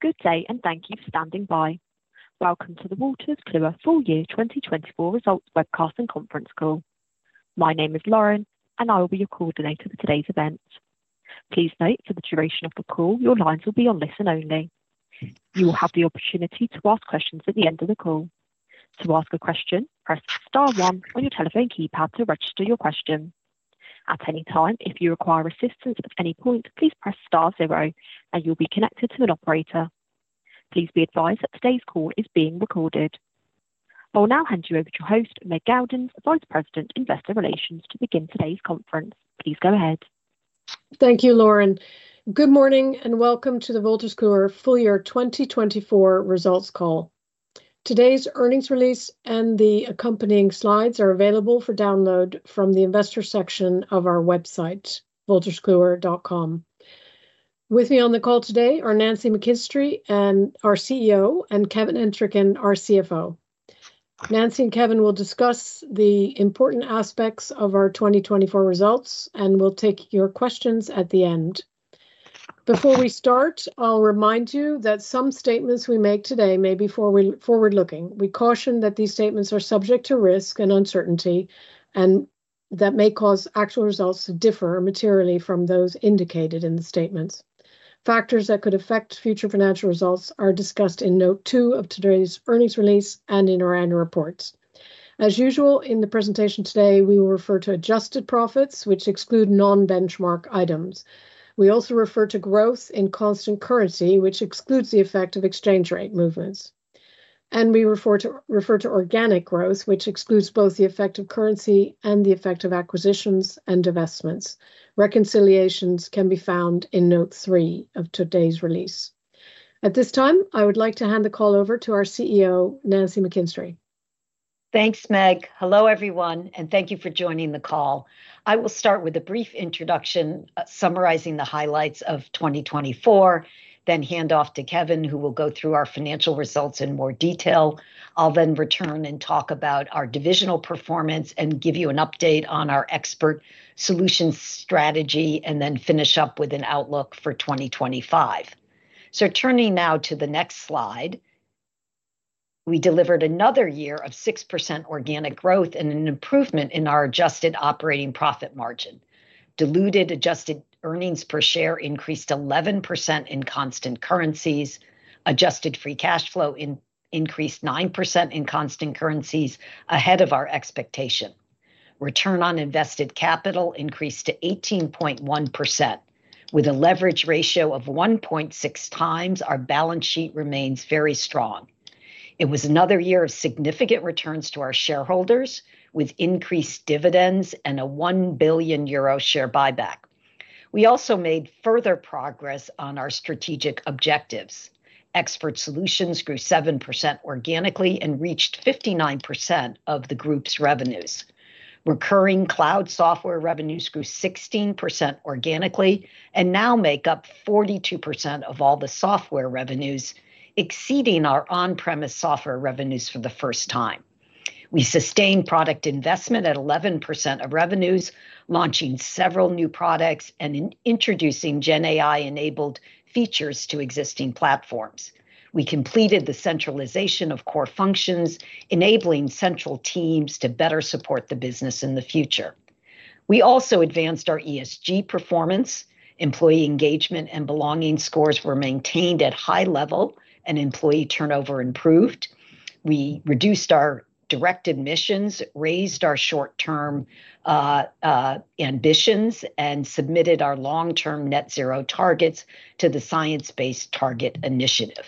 Good day and thank you for standing by. Welcome to the Wolters Kluwer full year 2024 results webcast and conference call. My name is Lauren, and I will be your coordinator for today's event. Please note for the duration of the call, your lines will be on listen only. You will have the opportunity to ask questions at the end of the call. To ask a question, press star one on your telephone keypad to register your question. At any time, if you require assistance at any point, please press star zero, and you'll be connected to an operator. Please be advised that today's call is being recorded. I'll now hand you over to host Meg Geldens, Vice President, Investor Relations, to begin today's conference. Please go ahead. Thank you, Lauren. Good morning and welcome to the Wolters Kluwer full year 2024 results call. Today's earnings release and the accompanying slides are available for download from the investor section of our website, WoltersKluwer.com. With me on the call today are Nancy McKinstry and our CEO, and Kevin Entricken, our CFO. Nancy and Kevin will discuss the important aspects of our 2024 results, and we'll take your questions at the end. Before we start, I'll remind you that some statements we make today may be forward-looking. We caution that these statements are subject to risk and uncertainty, and that may cause actual results to differ materially from those indicated in the statements. Factors that could affect future financial results are discussed in note two of today's earnings release and in our annual reports. As usual, in the presentation today, we will refer to adjusted profits, which exclude non-benchmark items. We also refer to growth in constant currency, which excludes the effect of exchange rate movements, and we refer to organic growth, which excludes both the effect of currency and the effect of acquisitions and investments. Reconciliations can be found in note three of today's release. At this time, I would like to hand the call over to our CEO, Nancy McKinstry. Thanks, Meg. Hello, everyone, and thank you for joining the call. I will start with a brief introduction summarizing the highlights of 2024, then hand off to Kevin, who will go through our financial results in more detail. I'll then return and talk about our divisional performance and give you an update on our expert solution strategy, and then finish up with an outlook for 2025. Turning now to the next slide, we delivered another year of 6% organic growth and an improvement in our adjusted operating profit margin. Diluted adjusted earnings per share increased 11% in constant currencies. Adjusted free cash flow increased 9% in constant currencies ahead of our expectation. Return on invested capital increased to 18.1%. With a leverage ratio of 1.6 times, our balance sheet remains very strong. It was another year of significant returns to our shareholders, with increased dividends and a 1 billion euro share buyback. We also made further progress on our strategic objectives. Expert solutions grew 7% organically and reached 59% of the group's revenues. Recurring cloud software revenues grew 16% organically and now make up 42% of all the software revenues, exceeding our on-premise software revenues for the first time. We sustained product investment at 11% of revenues, launching several new products and introducing GenAI-enabled features to existing platforms. We completed the centralization of core functions, enabling central teams to better support the business in the future. We also advanced our ESG performance. Employee engagement and belonging scores were maintained at high level, and employee turnover improved. We reduced our direct emissions, raised our short-term ambitions, and submitted our long-term net zero targets to the Science Based Targets initiative.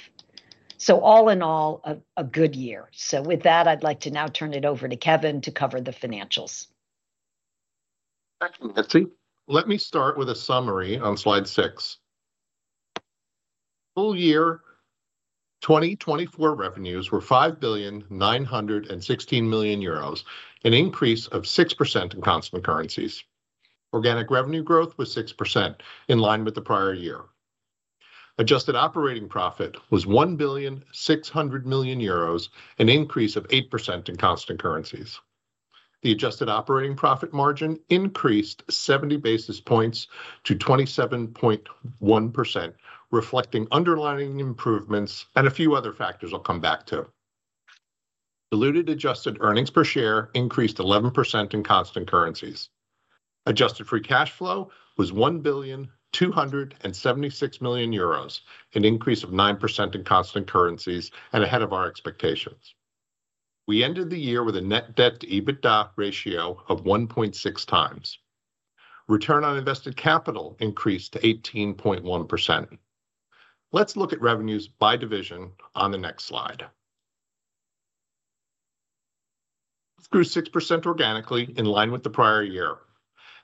All in all, a good year. With that, I'd like to now turn it over to Kevin to cover the financials. Thank you, Nancy. Let me start with a summary on slide six. Full year 2024 revenues were €5.916 billion, an increase of 6% in constant currencies. Organic revenue growth was 6%, in line with the prior year. Adjusted operating profit was €1.6 billion, an increase of 8% in constant currencies. The adjusted operating profit margin increased 70 basis points to 27.1%, reflecting underlying improvements and a few other factors I'll come back to. Diluted adjusted earnings per share increased 11% in constant currencies. Adjusted free cash flow was €1.276 billion, an increase of 9% in constant currencies and ahead of our expectations. We ended the year with a net debt to EBITDA ratio of 1.6 times. Return on invested capital increased to 18.1%. Let's look at revenues by division on the next slide. This grew 6% organically, in line with the prior year.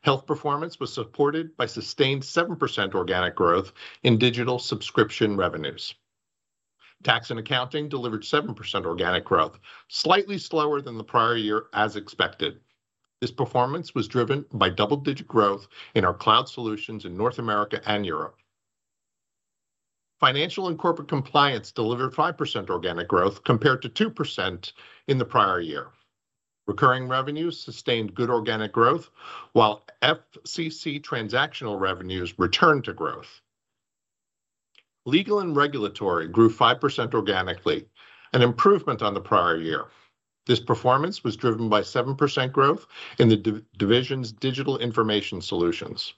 Health performance was supported by sustained 7% organic growth in digital subscription revenues. Tax & Accounting delivered 7% organic growth, slightly slower than the prior year, as expected. This performance was driven by double-digit growth in our cloud solutions in North America and Europe. Financial & Corporate Compliance delivered 5% organic growth compared to 2% in the prior year. Recurring revenues sustained good organic growth, while FCC transactional revenues returned to growth. Legal & Regulatory grew 5% organically, an improvement on the prior year. This performance was driven by 7% growth in the division's digital information solutions.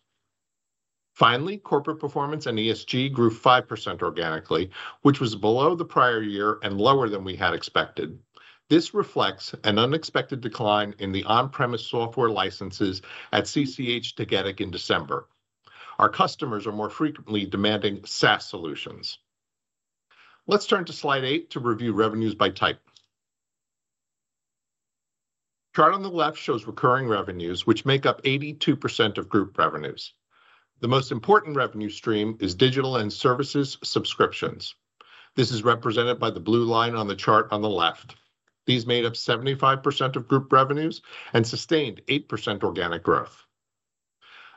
Finally, Corporate Performance & ESG grew 5% organically, which was below the prior year and lower than we had expected. This reflects an unexpected decline in the on-premise software licenses at CCH Tagetik in December. Our customers are more frequently demanding SaaS solutions. Let's turn to slide eight to review revenues by type. The chart on the left shows recurring revenues, which make up 82% of group revenues. The most important revenue stream is digital and services subscriptions. This is represented by the blue line on the chart on the left. These made up 75% of group revenues and sustained 8% organic growth.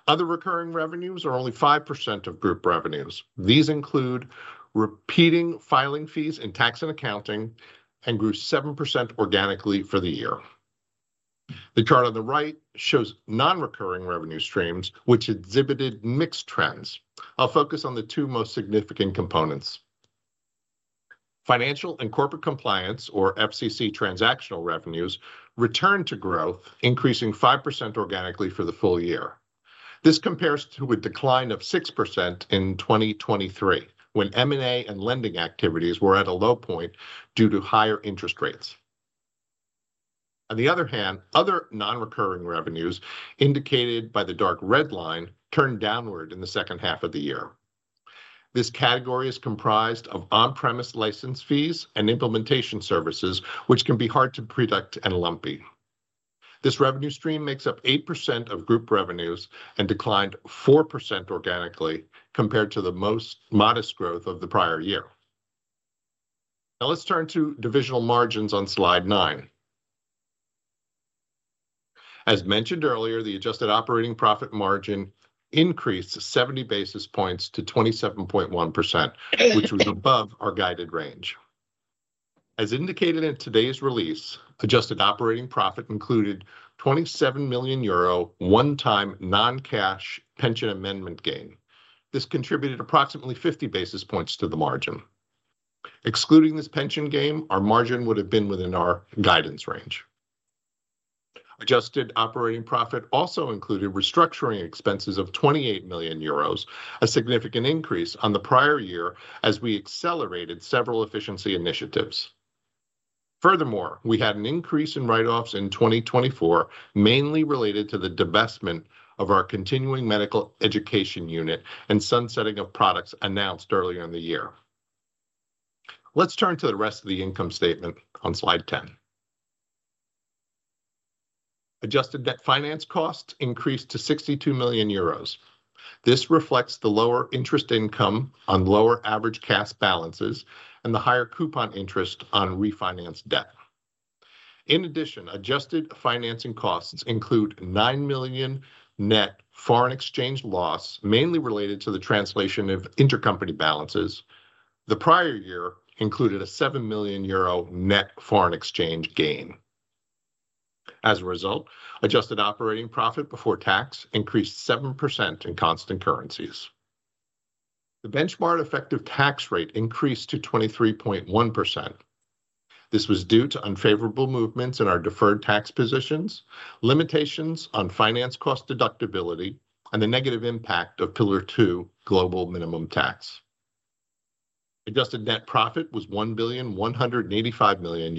Other recurring revenues are only 5% of group revenues. These include recurring filing fees in Tax & Accounting and grew 7% organically for the year. The chart on the right shows non-recurring revenue streams, which exhibited mixed trends. I'll focus on the two most significant components. Financial & Corporate Compliance, or FCC transactional revenues, returned to growth, increasing 5% organically for the full year. This compares to a decline of 6% in 2023, when M&A and lending activities were at a low point due to higher interest rates. On the other hand, other non-recurring revenues indicated by the dark red line turned downward in the second half of the year. This category is comprised of on-premise license fees and implementation services, which can be hard to predict and lumpy. This revenue stream makes up 8% of group revenues and declined 4% organically compared to the most modest growth of the prior year. Now let's turn to divisional margins on slide nine. As mentioned earlier, the adjusted operating profit margin increased 70 basis points to 27.1%, which was above our guided range. As indicated in today's release, adjusted operating profit included 27 million euro one-time non-cash pension amendment gain. This contributed approximately 50 basis points to the margin. Excluding this pension gain, our margin would have been within our guidance range. Adjusted operating profit also included restructuring expenses of 28 million euros, a significant increase on the prior year as we accelerated several efficiency initiatives. Furthermore, we had an increase in write-offs in 2024, mainly related to the divestment of our Continuing Medical Education unit and sunsetting of products announced earlier in the year. Let's turn to the rest of the income statement on slide ten. Adjusted debt finance costs increased to 62 million euros. This reflects the lower interest income on lower average cash balances and the higher coupon interest on refinanced debt. In addition, adjusted financing costs include 9 million net foreign exchange loss, mainly related to the translation of intercompany balances. The prior year included a 7 million euro net foreign exchange gain. As a result, adjusted operating profit before tax increased 7% in constant currencies. The benchmark effective tax rate increased to 23.1%. This was due to unfavorable movements in our deferred tax positions, limitations on finance cost deductibility, and the negative impact of Pillar Two global minimum tax. Adjusted net profit was €1.185 billion,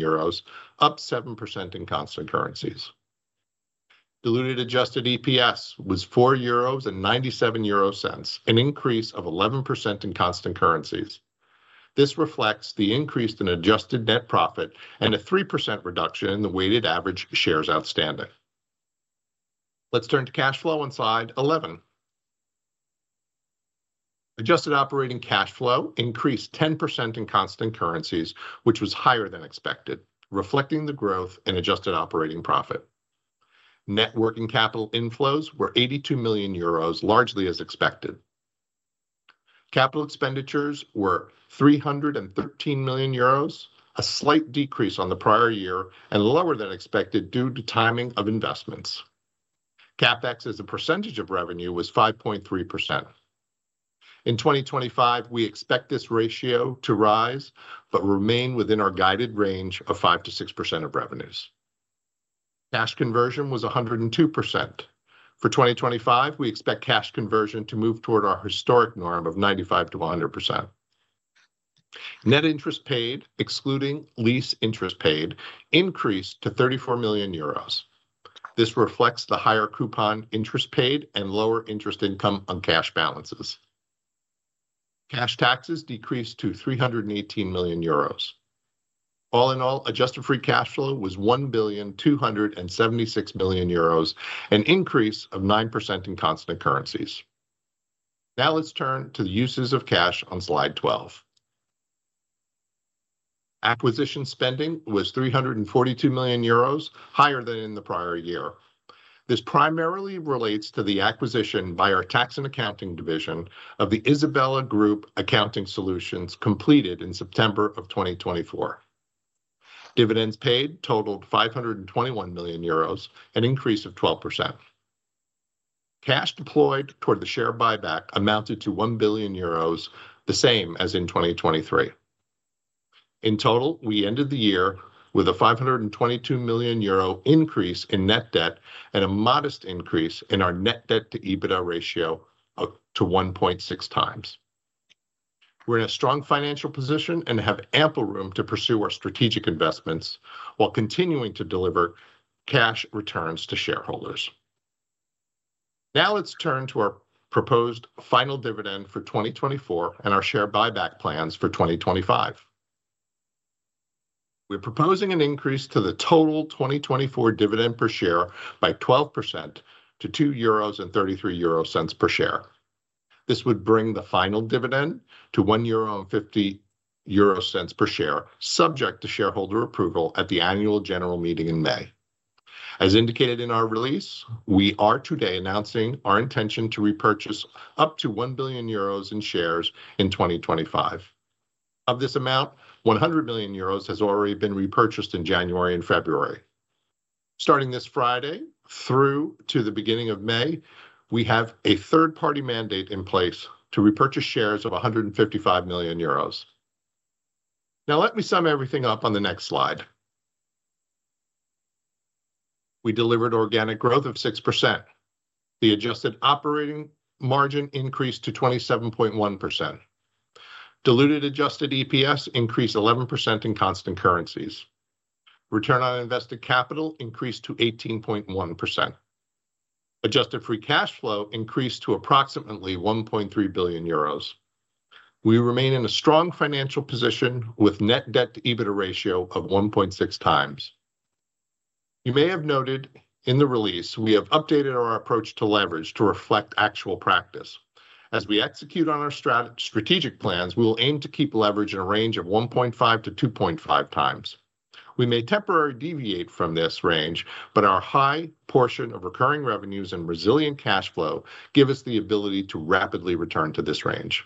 up 7% in constant currency. Diluted adjusted EPS was €4.97, an increase of 11% in constant currency. This reflects the increase in adjusted net profit and a 3% reduction in the weighted average shares outstanding. Let's turn to cash flow on slide 11. Adjusted operating cash flow increased 10% in constant currency, which was higher than expected, reflecting the growth in adjusted operating profit. Working capital inflows were €82 million, largely as expected. Capital expenditures were €313 million, a slight decrease on the prior year and lower than expected due to timing of investments. CapEx as a percentage of revenue was 5.3%. In 2025, we expect this ratio to rise but remain within our guided range of 5%-6% of revenues. Cash conversion was 102%. For 2025, we expect cash conversion to move toward our historic norm of 95%-100%. Net interest paid, excluding lease interest paid, increased to €34 million. This reflects the higher coupon interest paid and lower interest income on cash balances. Cash taxes decreased to €318 million. All in all, adjusted free cash flow was €1 billion 276 million, an increase of 9% in constant currencies. Now let's turn to the uses of cash on slide 12. Acquisition spending was €342 million, higher than in the prior year. This primarily relates to the acquisition by our Tax & Accounting division of the Isabel Group Accounting Solutions completed in September of 2024. Dividends paid totaled €521 million, an increase of 12%. Cash deployed toward the share buyback amounted to 1 billion euros, the same as in 2023. In total, we ended the year with a 522 million euro increase in net debt and a modest increase in our net debt to EBITDA ratio to 1.6 times. We're in a strong financial position and have ample room to pursue our strategic investments while continuing to deliver cash returns to shareholders. Now let's turn to our proposed final dividend for 2024 and our share buyback plans for 2025. We're proposing an increase to the total 2024 dividend per share by 12% to 2.33 euros per share. This would bring the final dividend to 1.50 euro per share, subject to shareholder approval at the annual general meeting in May. As indicated in our release, we are today announcing our intention to repurchase up to 1 billion euros in shares in 2025. Of this amount, €100 million has already been repurchased in January and February. Starting this Friday through to the beginning of May, we have a third-party mandate in place to repurchase shares of €155 million. Now let me sum everything up on the next slide. We delivered organic growth of 6%. The adjusted operating margin increased to 27.1%. Diluted adjusted EPS increased 11% in constant currencies. Return on invested capital increased to 18.1%. Adjusted free cash flow increased to approximately €1.3 billion. We remain in a strong financial position with net debt to EBITDA ratio of 1.6 times. You may have noted in the release we have updated our approach to leverage to reflect actual practice. As we execute on our strategic plans, we will aim to keep leverage in a range of 1.5-2.5 times. We may temporarily deviate from this range, but our high portion of recurring revenues and resilient cash flow give us the ability to rapidly return to this range.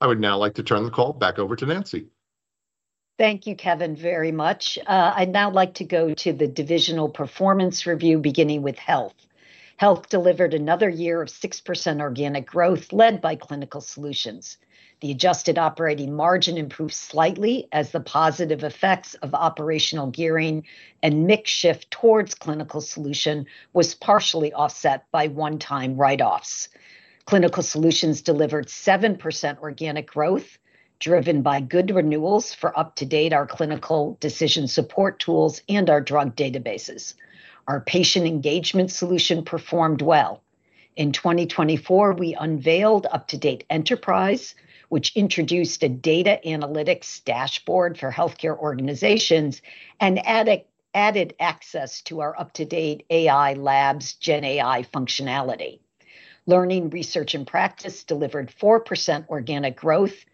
I would now like to turn the call back over to Nancy. Thank you, Kevin, very much. I'd now like to go to the divisional performance review, beginning with health. Health delivered another year of 6% organic growth led by Clinical Solutions. The adjusted operating margin improved slightly as the positive effects of operational gearing and mix shift towards clinical solution was partially offset by one-time write-offs. Clinical Solutions delivered 7% organic growth, driven by good renewals for UpToDate, our clinical decision support tools and our drug databases. Our patient engagement solution performed well. In 2024, we unveiled UpToDate Enterprise, which introduced a data analytics dashboard for healthcare organizations and added access to our UpToDate AI Labs, GenAI functionality. Learning, Research & Practice delivered 4% organic growth.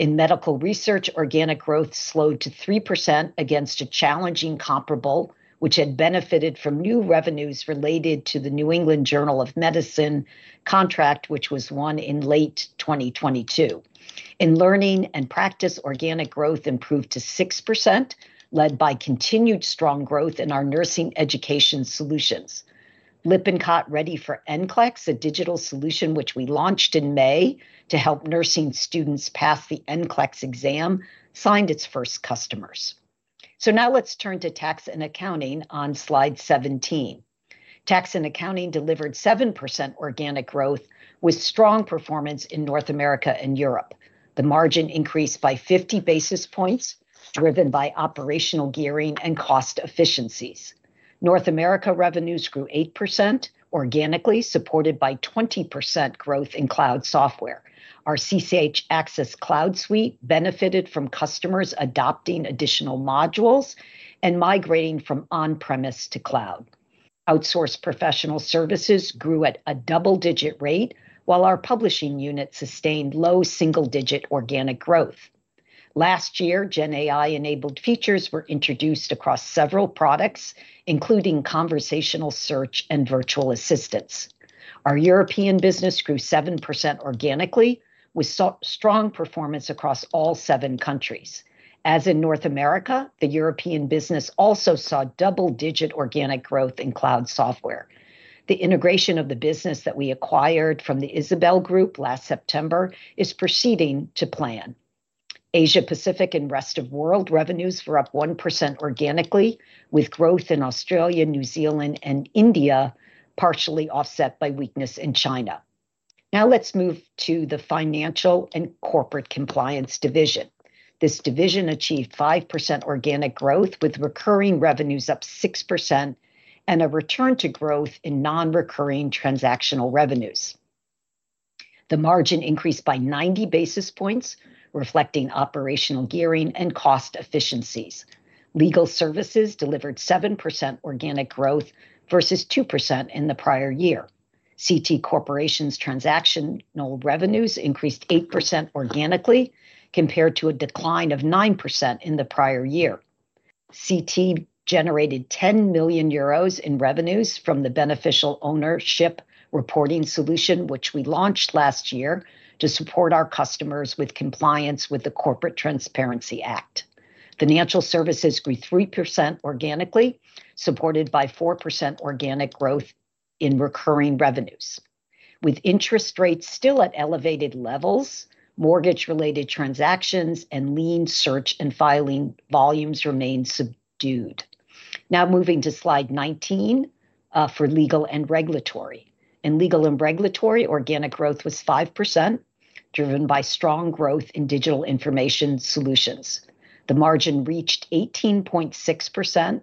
In Medical Research, organic growth slowed to 3% against a challenging comparable, which had benefited from new revenues related to the New England Journal of Medicine contract, which was won in late 2022. In Learning and Practice, organic growth improved to 6%, led by continued strong growth in our nursing education solutions. Lippincott Ready for NCLEX, a digital solution which we launched in May to help nursing students pass the NCLEX exam, signed its first customers. So now let's turn to Tax & Accounting on slide 17. Tax & Accounting delivered 7% organic growth with strong performance in North America and Europe. The margin increased by 50 basis points, driven by operational gearing and cost efficiencies. North America revenues grew 8% organically, supported by 20% growth in cloud software. Our CCH Access Cloud Suite benefited from customers adopting additional modules and migrating from on-premise to cloud. Outsourced professional services grew at a double-digit rate, while our publishing unit sustained low single-digit organic growth. Last year, GenAI-enabled features were introduced across several products, including conversational search and virtual assistance. Our European business grew 7% organically, with strong performance across all seven countries. As in North America, the European business also saw double-digit organic growth in cloud software. The integration of the business that we acquired from the Isabel Group last September is proceeding to plan. Asia-Pacific and rest of world revenues were up 1% organically, with growth in Australia, New Zealand, and India partially offset by weakness in China. Now let's move to the Financial & Corporate Compliance division. This division achieved 5% organic growth, with recurring revenues up 6% and a return to growth in non-recurring transactional revenues. The margin increased by 90 basis points, reflecting operational gearing and cost efficiencies. Legal Services delivered 7% organic growth versus 2% in the prior year. CT Corporation's transactional revenues increased 8% organically, compared to a decline of 9% in the prior year. CT generated 10 million euros in revenues from the beneficial ownership reporting solution, which we launched last year to support our customers with compliance with the Corporate Transparency Act. Financial Services grew 3% organically, supported by 4% organic growth in recurring revenues. With interest rates still at elevated levels, mortgage-related transactions and lien search and filing volumes remained subdued. Now moving to slide 19 for Legal & Regulatory. In Legal & Regulatory, organic growth was 5%, driven by strong growth in digital information solutions. The margin reached 18.6%,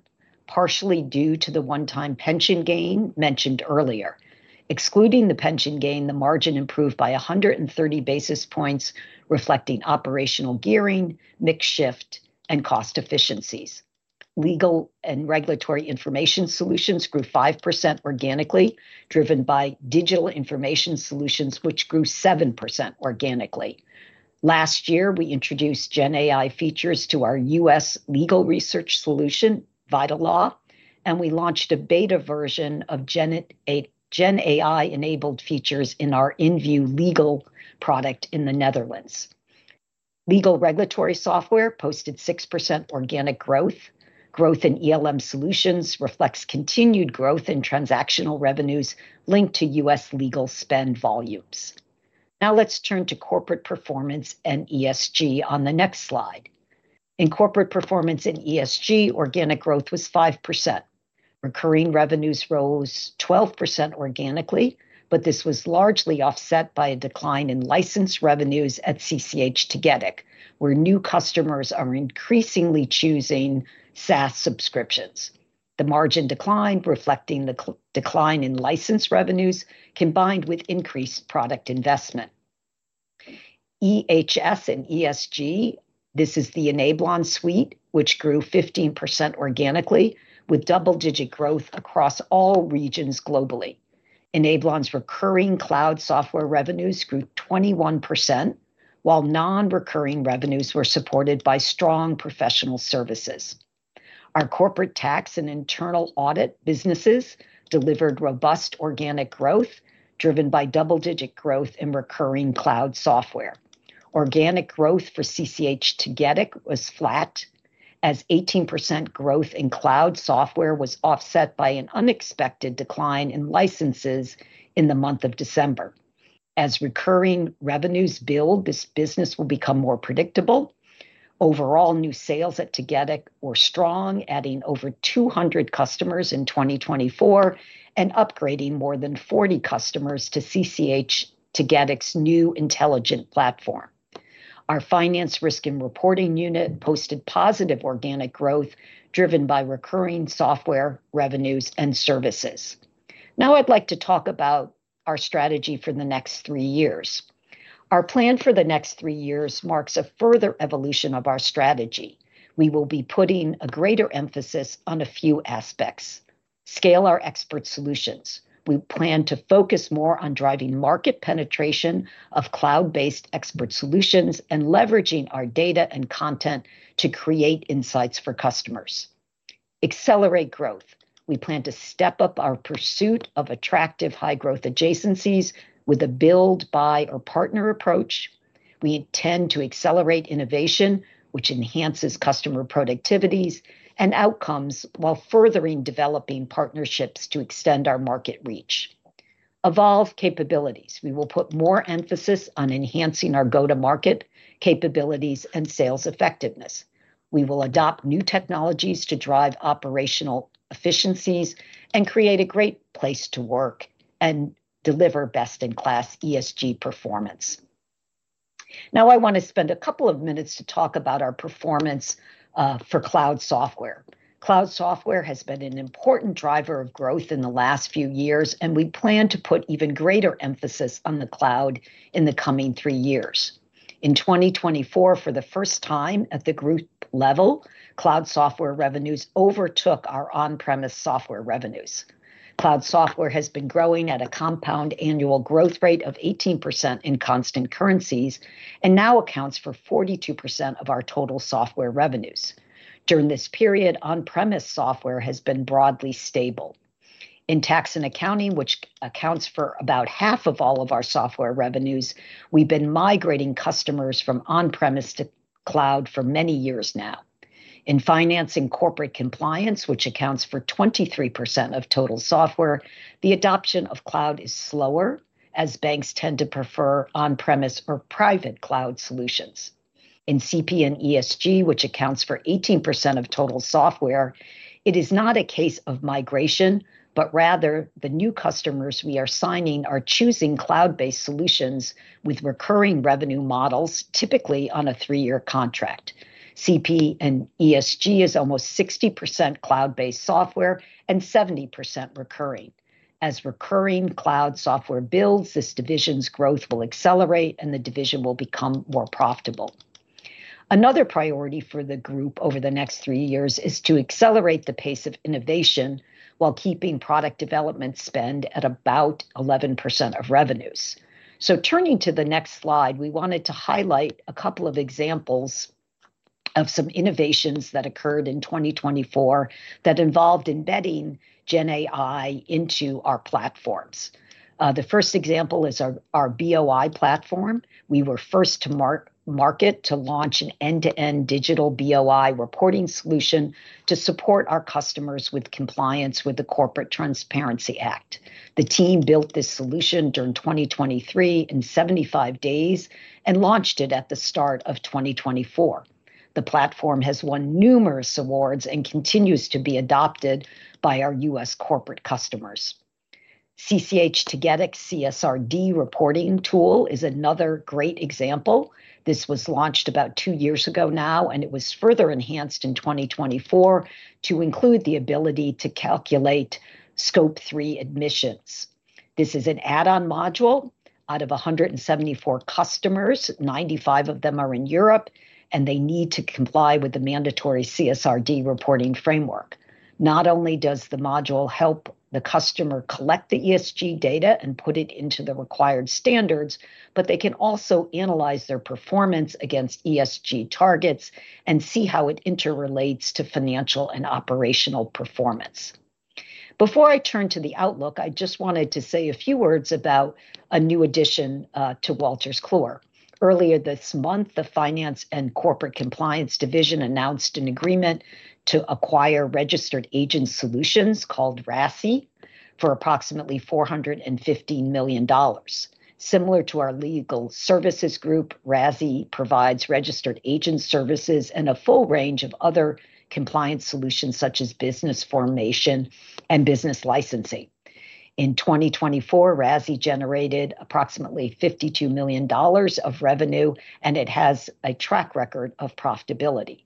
partially due to the one-time pension gain mentioned earlier. Excluding the pension gain, the margin improved by 130 basis points, reflecting operational gearing, mix shift, and cost efficiencies. Legal & Regulatory information solutions grew 5% organically, driven by digital information solutions, which grew 7% organically. Last year, we introduced GenAI features to our U.S. Legal research solution, VitalLaw, and we launched a beta version of GenAI-enabled features in our InView legal product in the Netherlands. Legal regulatory software posted 6% organic growth. Growth in ELM Solutions reflects continued growth in transactional revenues linked to U.S. legal spend volumes. Now let's turn to Corporate Performance & ESG on the next slide. In Corporate Performance & ESG, organic growth was 5%. Recurring revenues rose 12% organically, but this was largely offset by a decline in license revenues at CCH Tagetik, where new customers are increasingly choosing SaaS subscriptions. The margin declined, reflecting the decline in license revenues combined with increased product investment. EHS and ESG, this is the Enablon suite, which grew 15% organically, with double-digit growth across all regions globally. Enablon's recurring cloud software revenues grew 21%, while non-recurring revenues were supported by strong professional services. Our corporate tax and internal audit businesses delivered robust organic growth, driven by double-digit growth in recurring cloud software. Organic growth for CCH Tagetik was flat, as 18% growth in cloud software was offset by an unexpected decline in licenses in the month of December. As recurring revenues build, this business will become more predictable. Overall, new sales at Tagetik were strong, adding over 200 customers in 2024 and upgrading more than 40 customers to CCH Tagetik's new intelligent platform. Our Finance, Risk & Reporting unit posted positive organic growth, driven by recurring software revenues and services. Now I'd like to talk about our strategy for the next three years. Our plan for the next three years marks a further evolution of our strategy. We will be putting a greater emphasis on a few aspects. Scale our expert solutions. We plan to focus more on driving market penetration of cloud-based expert solutions and leveraging our data and content to create insights for customers. Accelerate growth. We plan to step up our pursuit of attractive high-growth adjacencies with a build-buy or partner approach. We intend to accelerate innovation, which enhances customer productivities and outcomes while further developing partnerships to extend our market reach. Evolve capabilities. We will put more emphasis on enhancing our go-to-market capabilities and sales effectiveness. We will adopt new technologies to drive operational efficiencies and create a great place to work and deliver best-in-class ESG performance. Now I want to spend a couple of minutes to talk about our performance for cloud software. Cloud software has been an important driver of growth in the last few years, and we plan to put even greater emphasis on the cloud in the coming three years. In 2024, for the first time at the group level, cloud software revenues overtook our on-premise software revenues. Cloud software has been growing at a compound annual growth rate of 18% in constant currencies and now accounts for 42% of our total software revenues. During this period, on-premise software has been broadly stable. In Tax & Accounting, which accounts for about half of all of our software revenues, we've been migrating customers from on-premise to cloud for many years now. In Financial & Corporate Compliance, which accounts for 23% of total software, the adoption of cloud is slower as banks tend to prefer on-premise or private cloud solutions. In CP and ESG, which accounts for 18% of total software, it is not a case of migration, but rather the new customers we are signing are choosing cloud-based solutions with recurring revenue models, typically on a three-year contract. CP and ESG is almost 60% cloud-based software and 70% recurring. As recurring cloud software builds, this division's growth will accelerate and the division will become more profitable. Another priority for the group over the next three years is to accelerate the pace of innovation while keeping product development spend at about 11% of revenues. So turning to the next slide, we wanted to highlight a couple of examples of some innovations that occurred in 2024 that involved embedding GenAI into our platforms. The first example is our BOI platform. We were first to market to launch an end-to-end digital BOI reporting solution to support our customers with compliance with the Corporate Transparency Act. The team built this solution during 2023 in 75 days and launched it at the start of 2024. The platform has won numerous awards and continues to be adopted by our U.S. corporate customers. CCH Tagetik CSRD reporting tool is another great example. This was launched about two years ago now, and it was further enhanced in 2024 to include the ability to calculate scope three emissions. This is an add-on module. Out of 174 customers, 95 of them are in Europe, and they need to comply with the mandatory CSRD reporting framework. Not only does the module help the customer collect the ESG data and put it into the required standards, but they can also analyze their performance against ESG targets and see how it interrelates to financial and operational performance. Before I turn to the outlook, I just wanted to say a few words about a new addition to Wolters Kluwer. Earlier this month, the Financial & Corporate Compliance Division announced an agreement to acquire Registered Agent Solutions called RASi for approximately $450 million. Similar to our Legal Services group, RASi provides registered agent services and a full range of other compliance solutions such as business formation and business licensing. In 2024, RASi generated approximately $52 million of revenue, and it has a track record of profitability.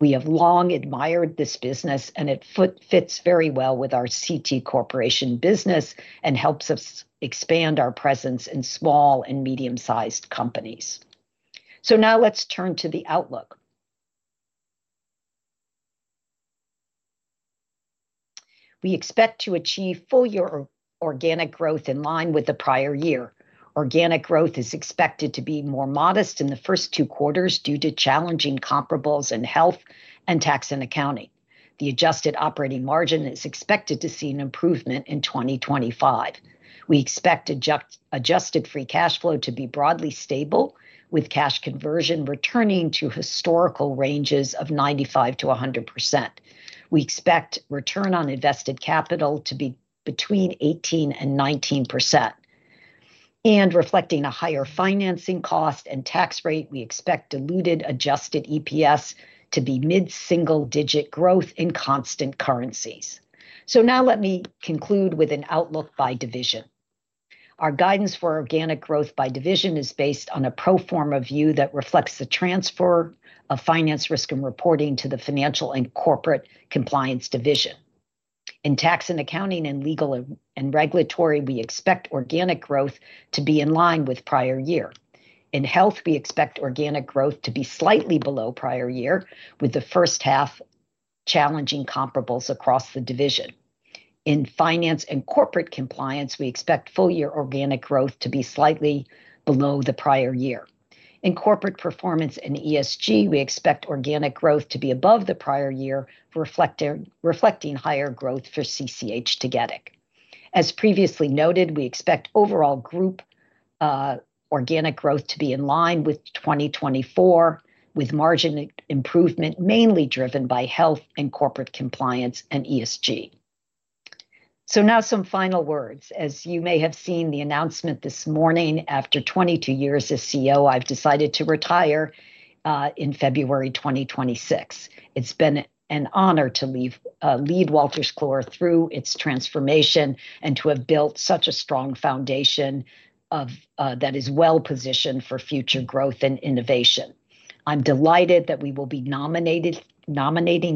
We have long admired this business, and it fits very well with our CT Corporation business and helps us expand our presence in small and medium-sized companies. So now let's turn to the outlook. We expect to achieve full-year organic growth in line with the prior year. Organic growth is expected to be more modest in the first two quarters due to challenging comparables in health and Tax & Accounting. The adjusted operating margin is expected to see an improvement in 2025. We expect adjusted free cash flow to be broadly stable, with cash conversion returning to historical ranges of 95% to 100%. We expect return on invested capital to be between 18% and 19%, and reflecting a higher financing cost and tax rate, we expect diluted adjusted EPS to be mid-single-digit growth in constant currencies, so now let me conclude with an outlook by division. Our guidance for organic growth by division is based on a pro forma view that reflects the transfer of Finance, Risk & Reporting to the Financial & Corporate Compliance division. In Tax & Accounting and Legal & Regulatory, we expect organic growth to be in line with prior year. In health, we expect organic growth to be slightly below prior year, with the first half challenging comparables across the division. In Financial & Corporate Compliance, we expect full-year organic growth to be slightly below the prior year. In Corporate Performance & ESG, we expect organic growth to be above the prior year, reflecting higher growth for CCH Tagetik. As previously noted, we expect overall group organic growth to be in line with 2024, with margin improvement mainly driven by health and corporate compliance and ESG. So now some final words. As you may have seen the announcement this morning, after 22 years as CEO, I've decided to retire in February 2026. It's been an honor to lead Wolters Kluwer through its transformation and to have built such a strong foundation that is well-positioned for future growth and innovation. I'm delighted that we will be nominating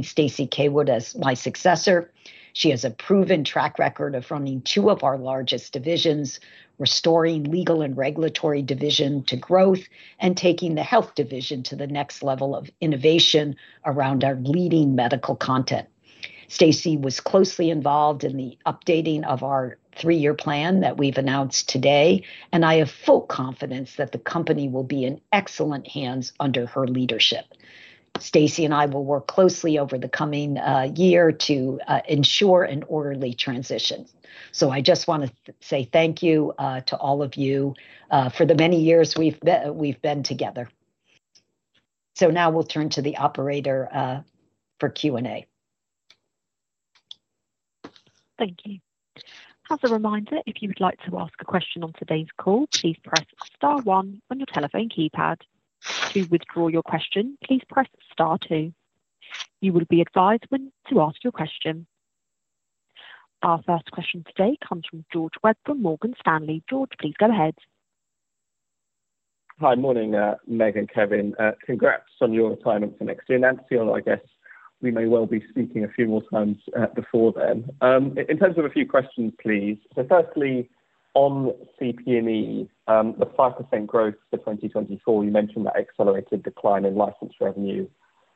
Stacey Caywood as my successor. She has a proven track record of running two of our largest divisions, restoring Legal & Regulatory division to growth and taking the health division to the next level of innovation around our leading medical content. Stacey was closely involved in the updating of our three-year plan that we've announced today, and I have full confidence that the company will be in excellent hands under her leadership. Stacey and I will work closely over the coming year to ensure an orderly transition. So I just want to say thank you to all of you for the many years we've been together. So now we'll turn to the operator for Q&A. Thank you. As a reminder, if you would like to ask a question on today's call, please press star one on your telephone keypad. To withdraw your question, please press star two. You will be advised when to ask your question. Our first question today comes from George Webb from Morgan Stanley. George, please go ahead. Hi, morning, Meg and Kevin. Congrats on your retirement for next year. Nancy, I guess we may well be speaking a few more times before then. In terms of a few questions, please. So firstly, on CP&E, the 5% growth for 2024, you mentioned that accelerated decline in license revenue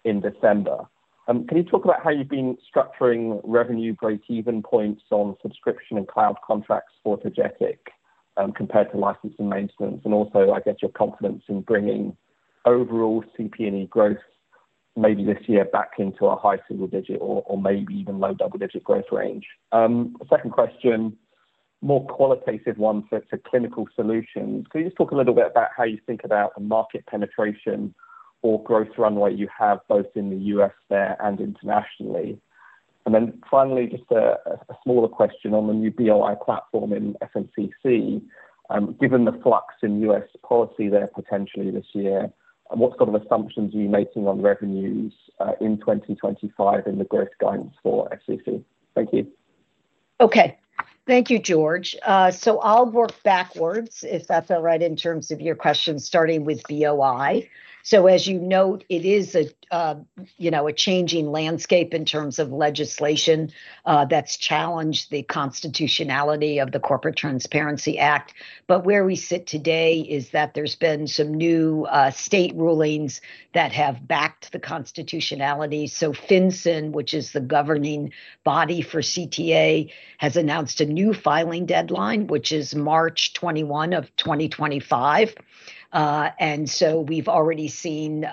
in December. Can you talk about how you've been structuring revenue break-even points on subscription and cloud contracts for Tagetik compared to license and maintenance? And also, I guess your confidence in bringing overall CP&E growth maybe this year back into a high single-digit or maybe even low double-digit growth range. Second question, more qualitative one for clinical solutions. Can you just talk a little bit about how you think about the market penetration or growth runway you have both in the U.S. there and internationally? And then finally, just a smaller question on the new BOI platform in FCC. Given the flux in U.S. Policy there potentially this year, what sort of assumptions are you making on revenues in 2025 in the growth guidance for FCC? Thank you. Okay. Thank you, George. So I'll work backwards, if that's all right, in terms of your questions, starting with BOI. So as you note, it is a changing landscape in terms of legislation that's challenged the constitutionality of the Corporate Transparency Act. But where we sit today is that there's been some new state rulings that have backed the constitutionality. So FinCEN, which is the governing body for CTA, has announced a new filing deadline, which is March 21 of 2025. And so we've already seen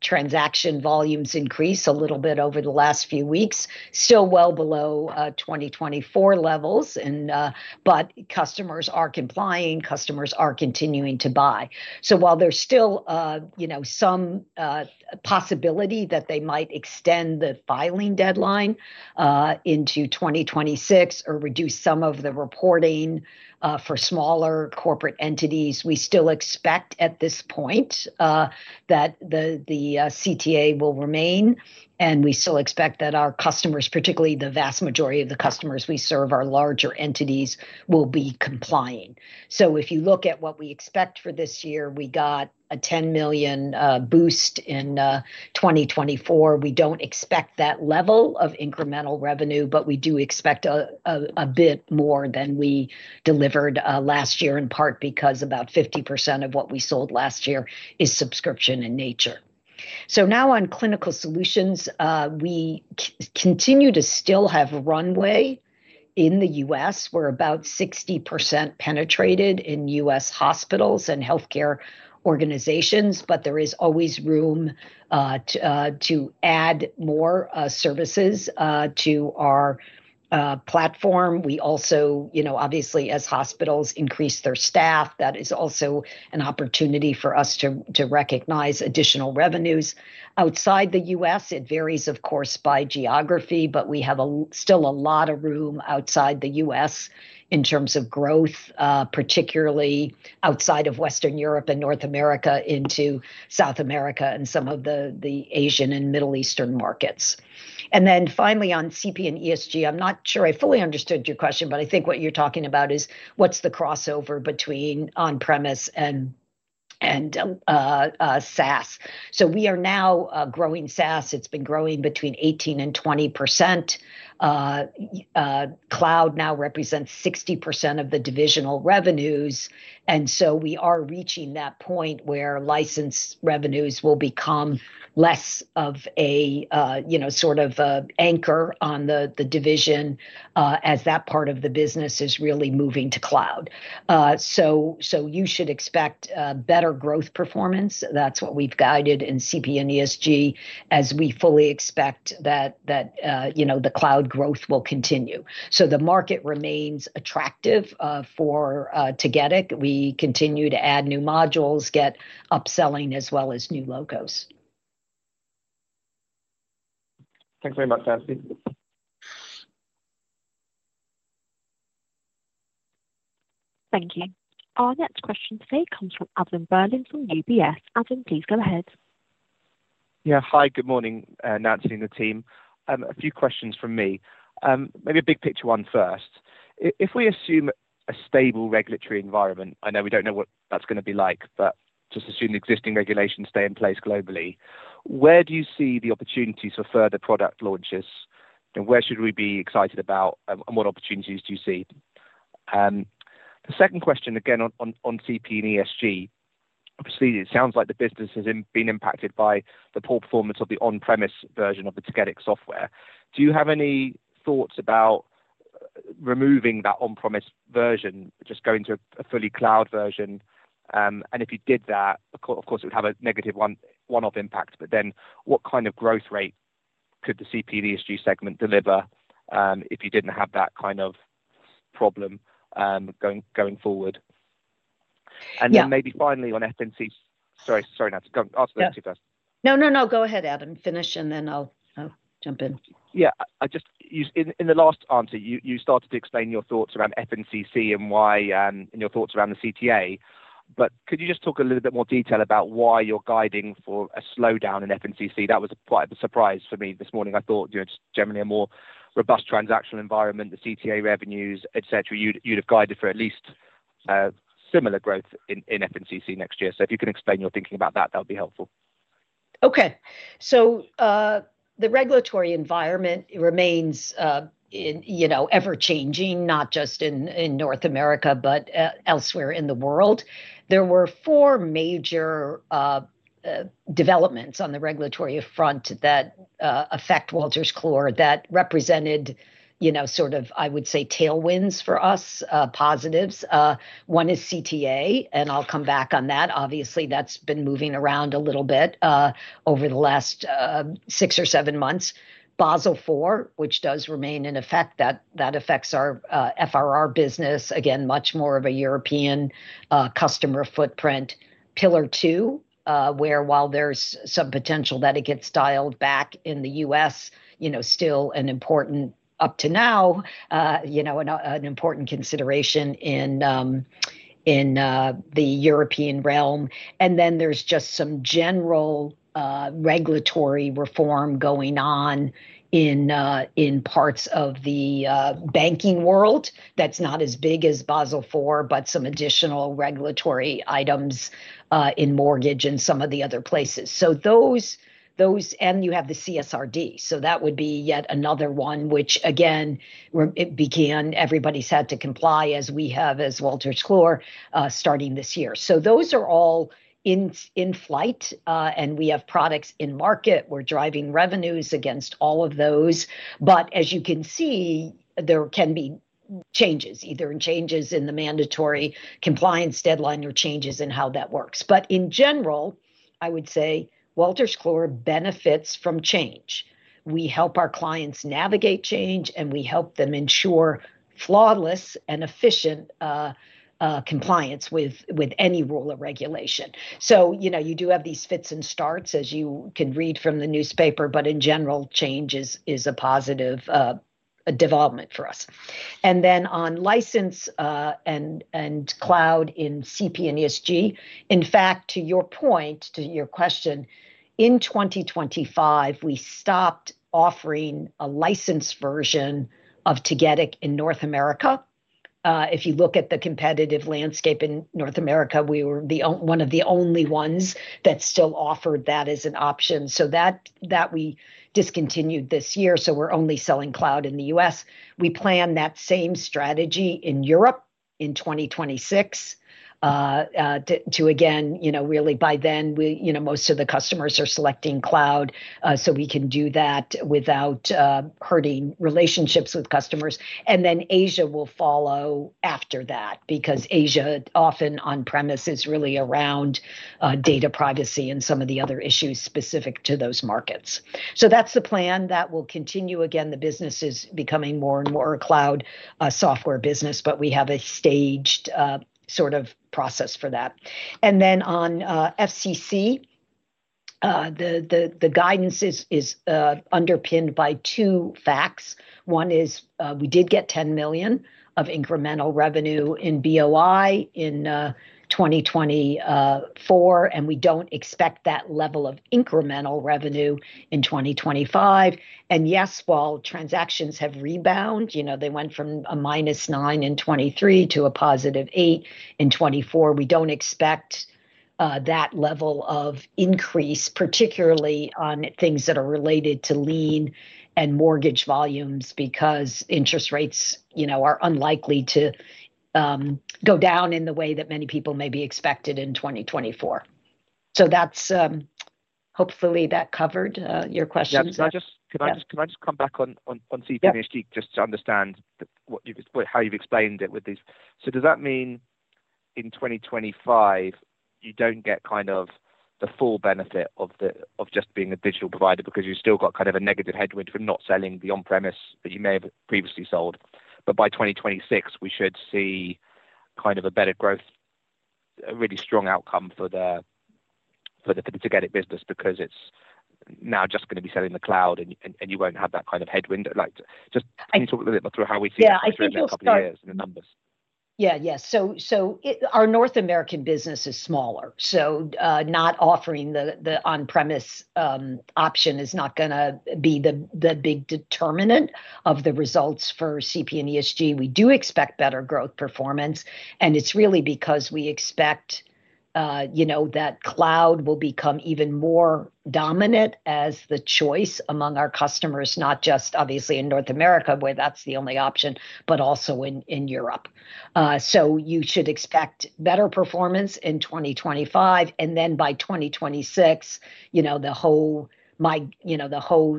transaction volumes increase a little bit over the last few weeks, still well below 2024 levels, but customers are complying. Customers are continuing to buy. So while there's still some possibility that they might extend the filing deadline into 2026 or reduce some of the reporting for smaller corporate entities, we still expect at this point that the CTA will remain, and we still expect that our customers, particularly the vast majority of the customers we serve, our larger entities, will be complying. So if you look at what we expect for this year, we got a 10 million boost in 2024. We don't expect that level of incremental revenue, but we do expect a bit more than we delivered last year, in part because about 50% of what we sold last year is subscription in nature. So now on Clinical Solutions, we continue to still have runway in the U.S. We're about 60% penetrated in U.S. hospitals and healthcare organizations, but there is always room to add more services to our platform. We also, obviously, as hospitals increase their staff. That is also an opportunity for us to recognize additional revenues. Outside the U.S., it varies, of course, by geography, but we have still a lot of room outside the U.S. in terms of growth, particularly outside of Western Europe and North America into South America and some of the Asian and Middle Eastern markets. And then finally, on CP & ESG, I'm not sure I fully understood your question, but I think what you're talking about is what's the crossover between on-premise and SaaS. So we are now growing SaaS. It's been growing between 18% and 20%. Cloud now represents 60% of the divisional revenues. And so we are reaching that point where license revenues will become less of a sort of anchor on the division as that part of the business is really moving to cloud. So you should expect better growth performance. That's what we've guided in CP & ESG as we fully expect that the cloud growth will continue. So the market remains attractive for Tagetik. We continue to add new modules, get upselling, as well as new logos. Thanks very much, Nancy. Thank you. Our next question today comes from Adam Berlin from UBS. Adam, please go ahead. Yeah. Hi, good morning, Nancy and the team. A few questions from me. Maybe a big picture one first. If we assume a stable regulatory environment, I know we don't know what that's going to be like, but just assume the existing regulations stay in place globally. Where do you see the opportunities for further product launches? Where should we be excited about, and what opportunities do you see? The second question, again, on CP & ESG. Obviously, it sounds like the business has been impacted by the poor performance of the on-premise version of the Tagetik software. Do you have any thoughts about removing that on-premise version, just going to a fully cloud version? And if you did that, of course, it would have a negative one-off impact. But then what kind of growth rate could the CP & ESG segment deliver if you didn't have that kind of problem going forward? And then maybe finally on FCC, sorry, sorry, Nancy. Go on. Ask Nancy first. No, no, no. Go ahead, Adam. Finish, and then I'll jump in. Yeah. In the last answer, you started to explain your thoughts around FCC and your thoughts around the CTA. But could you just talk a little bit more detail about why you're guiding for a slowdown in FCC? That was quite a surprise for me this morning, I thought generally a more robust transactional environment, the CTA revenues, etc., you'd have guided for at least similar growth in FCC next year. So if you can explain your thinking about that, that would be helpful. Okay. So the regulatory environment remains ever-changing, not just in North America, but elsewhere in the world. There were four major developments on the regulatory front that affect Wolters Kluwer that represented sort of, I would say, tailwinds for us, positives. One is CTA, and I'll come back on that. Obviously, that's been moving around a little bit over the last six or seven months. Basel IV, which does remain in effect, that affects our FRR business, again, much more of a European customer footprint. Pillar II, where while there's some potential that it gets dialed back in the U.S., still an important up to now, an important consideration in the European realm. Then there's just some general regulatory reform going on in parts of the banking world that's not as big as Basel IV, but some additional regulatory items in mortgage and some of the other places. You have the CSRD. That would be yet another one, which, again, it began. Everybody's had to comply, as we have, as Wolters Kluwer, starting this year. Those are all in flight, and we have products in market. We're driving revenues against all of those. But as you can see, there can be changes, either in changes in the mandatory compliance deadline or changes in how that works. In general, I would say Wolters Kluwer benefits from change. We help our clients navigate change, and we help them ensure flawless and efficient compliance with any rule or regulation. So you do have these fits and starts, as you can read from the newspaper, but in general, change is a positive development for us. And then on license and cloud in CP & ESG, in fact, to your point, to your question, in 2025, we stopped offering a license version of Tagetik in North America. If you look at the competitive landscape in North America, we were one of the only ones that still offered that as an option. So that we discontinued this year. So we're only selling cloud in the U.S. We plan that same strategy in Europe in 2026 to, again, really by then, most of the customers are selecting cloud, so we can do that without hurting relationships with customers. And then Asia will follow after that because Asia, often on-premise, is really around data privacy and some of the other issues specific to those markets. So that's the plan. That will continue. Again, the business is becoming more and more a cloud software business, but we have a staged sort of process for that. And then on FCC, the guidance is underpinned by two facts. One is we did get 10 million of incremental revenue in BOI in 2024, and we don't expect that level of incremental revenue in 2025. And yes, while transactions have rebounded, they went from a -9% in 2023 to a +8% in 2024, we don't expect that level of increase, particularly on things that are related to lien and mortgage volumes because interest rates are unlikely to go down in the way that many people may be expected in 2024. So hopefully, that covered your questions. Can I just come back on CP & ESG just to understand how you've explained it with these? So does that mean in 2025, you don't get kind of the full benefit of just being a digital provider because you've still got kind of a negative headwind from not selling the on-premise that you may have previously sold? But by 2026, we should see kind of a better growth, a really strong outcome for the Tagetik business because it's now just going to be selling the cloud, and you won't have that kind of headwind. Can you talk a little bit through how we see that in a couple of years and the numbers? Yeah. Yeah. So our North American business is smaller. So not offering the on-premise option is not going to be the big determinant of the results for CP & ESG. We do expect better growth performance, and it's really because we expect that cloud will become even more dominant as the choice among our customers, not just obviously in North America, where that's the only option, but also in Europe. So you should expect better performance in 2025. And then by 2026, the whole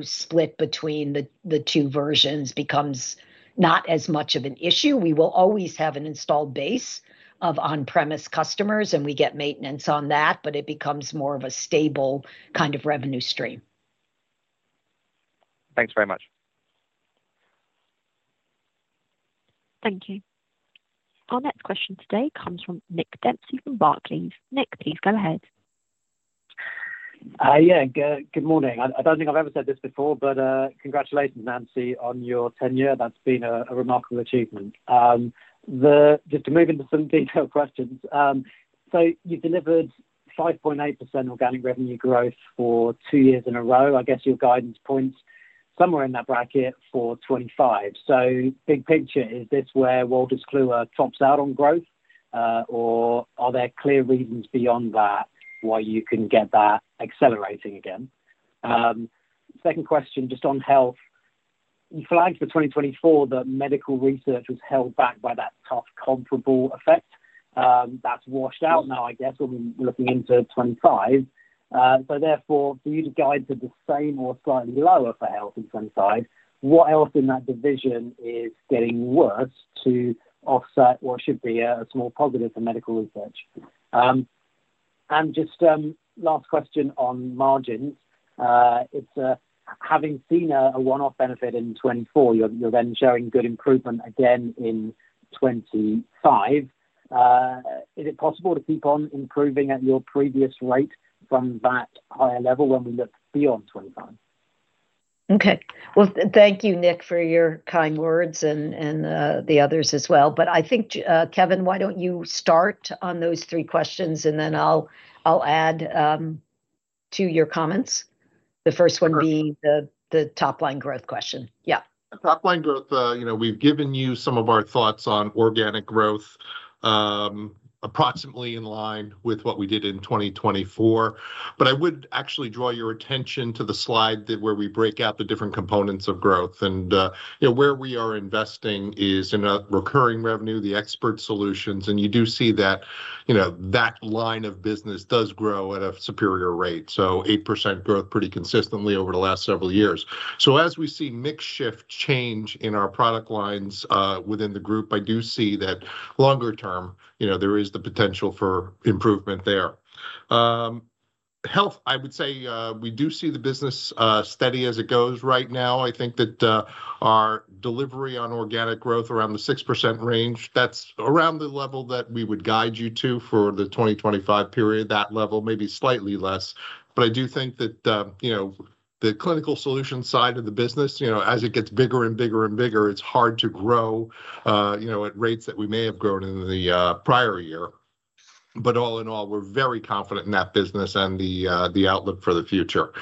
split between the two versions becomes not as much of an issue. We will always have an installed base of on-premise customers, and we get maintenance on that, but it becomes more of a stable kind of revenue stream. Thanks very much. Thank you. Our next question today comes from Nick Dempsey from Barclays. Nick, please go ahead. Yeah. Good morning. I don't think I've ever said this before, but congratulations, Nancy, on your tenure. That's been a remarkable achievement. Just to move into some detailed questions. So you've delivered 5.8% organic revenue growth for two years in a row. I guess your guidance points somewhere in that bracket for 2025. So big picture, is this where Wolters Kluwer tops out on growth, or are there clear reasons beyond that why you can get that accelerating again? Second question, just on health. You flagged for 2024 that Medical Research was held back by that tough comparable effect. That's washed out now, I guess, when we're looking into 2025. So therefore, for you to guide to the same or slightly lower for health in 2025, what else in that division is getting worse to offset what should be a small positive for Medical Research? And just last question on margins. Having seen a one-off benefit in 2024, you're then showing good improvement again in 2025. Is it possible to keep on improving at your previous rate from that higher level when we look beyond 2025? Okay, well, thank you, Nick, for your kind words and the others as well. But I think, Kevin, why don't you start on those three questions, and then I'll add to your comments, the first one being the top-line growth question. Yeah. Top-line growth. We've given you some of our thoughts on organic growth, approximately in line with what we did in 2024, but I would actually draw your attention to the slide where we break out the different components of growth, and where we are investing is in recurring revenue, the expert solutions. And you do see that that line of business does grow at a superior rate, so 8% growth pretty consistently over the last several years. So as we see mixed shift change in our product lines within the group, I do see that longer term, there is the potential for improvement there. Health, I would say we do see the business steady as it goes right now. I think that our delivery on organic growth around the 6% range, that's around the level that we would guide you to for the 2025 period, that level, maybe slightly less. But I do think that the Clinical Solutions side of the business, as it gets bigger and bigger and bigger, it's hard to grow at rates that we may have grown in the prior year. But all in all, we're very confident in that business and the outlook for the future.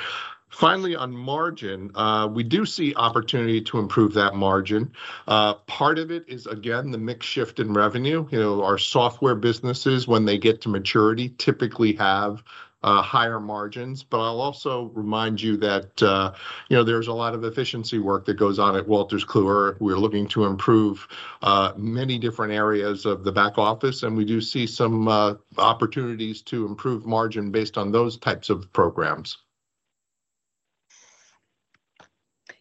Finally, on margin, we do see opportunity to improve that margin. Part of it is, again, the mixed shift in revenue. Our software businesses, when they get to maturity, typically have higher margins. But I'll also remind you that there's a lot of efficiency work that goes on at Wolters Kluwer. We're looking to improve many different areas of the back office, and we do see some opportunities to improve margin based on those types of programs.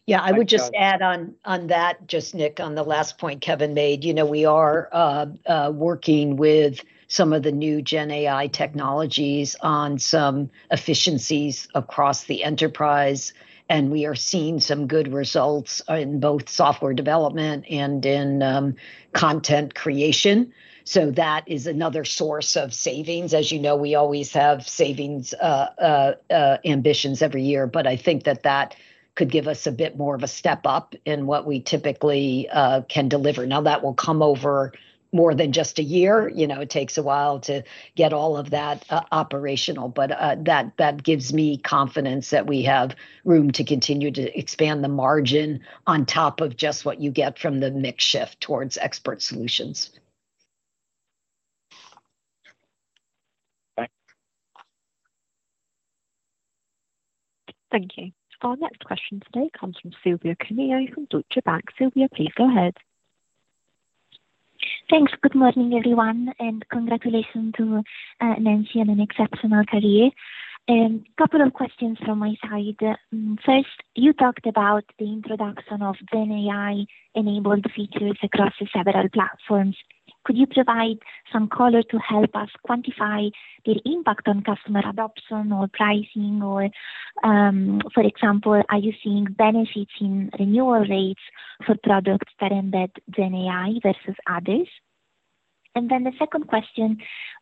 Yeah. I would just add on that, just Nick, on the last point Kevin made. We are working with some of the new GenAI technologies on some efficiencies across the enterprise, and we are seeing some good results in both software development and in content creation. So that is another source of savings. As you know, we always have savings ambitions every year, but I think that that could give us a bit more of a step up in what we typically can deliver. Now, that will come over more than just a year. It takes a while to get all of that operational. But that gives me confidence that we have room to continue to expand the margin on top of just what you get from the mixed shift towards expert solutions. Thank you. Our next question today comes from Silvia Cuneo from Deutsche Bank. Silvia, please go ahead. Thanks. Good morning, everyone, and congratulations to Nancy on an exceptional career. A couple of questions from my side. First, you talked about the introduction of GenAI-enabled features across several platforms. Could you provide some color to help us quantify the impact on customer adoption or pricing, or, for example, are you seeing benefits in renewal rates for products that embed GenAI versus others? And then the second question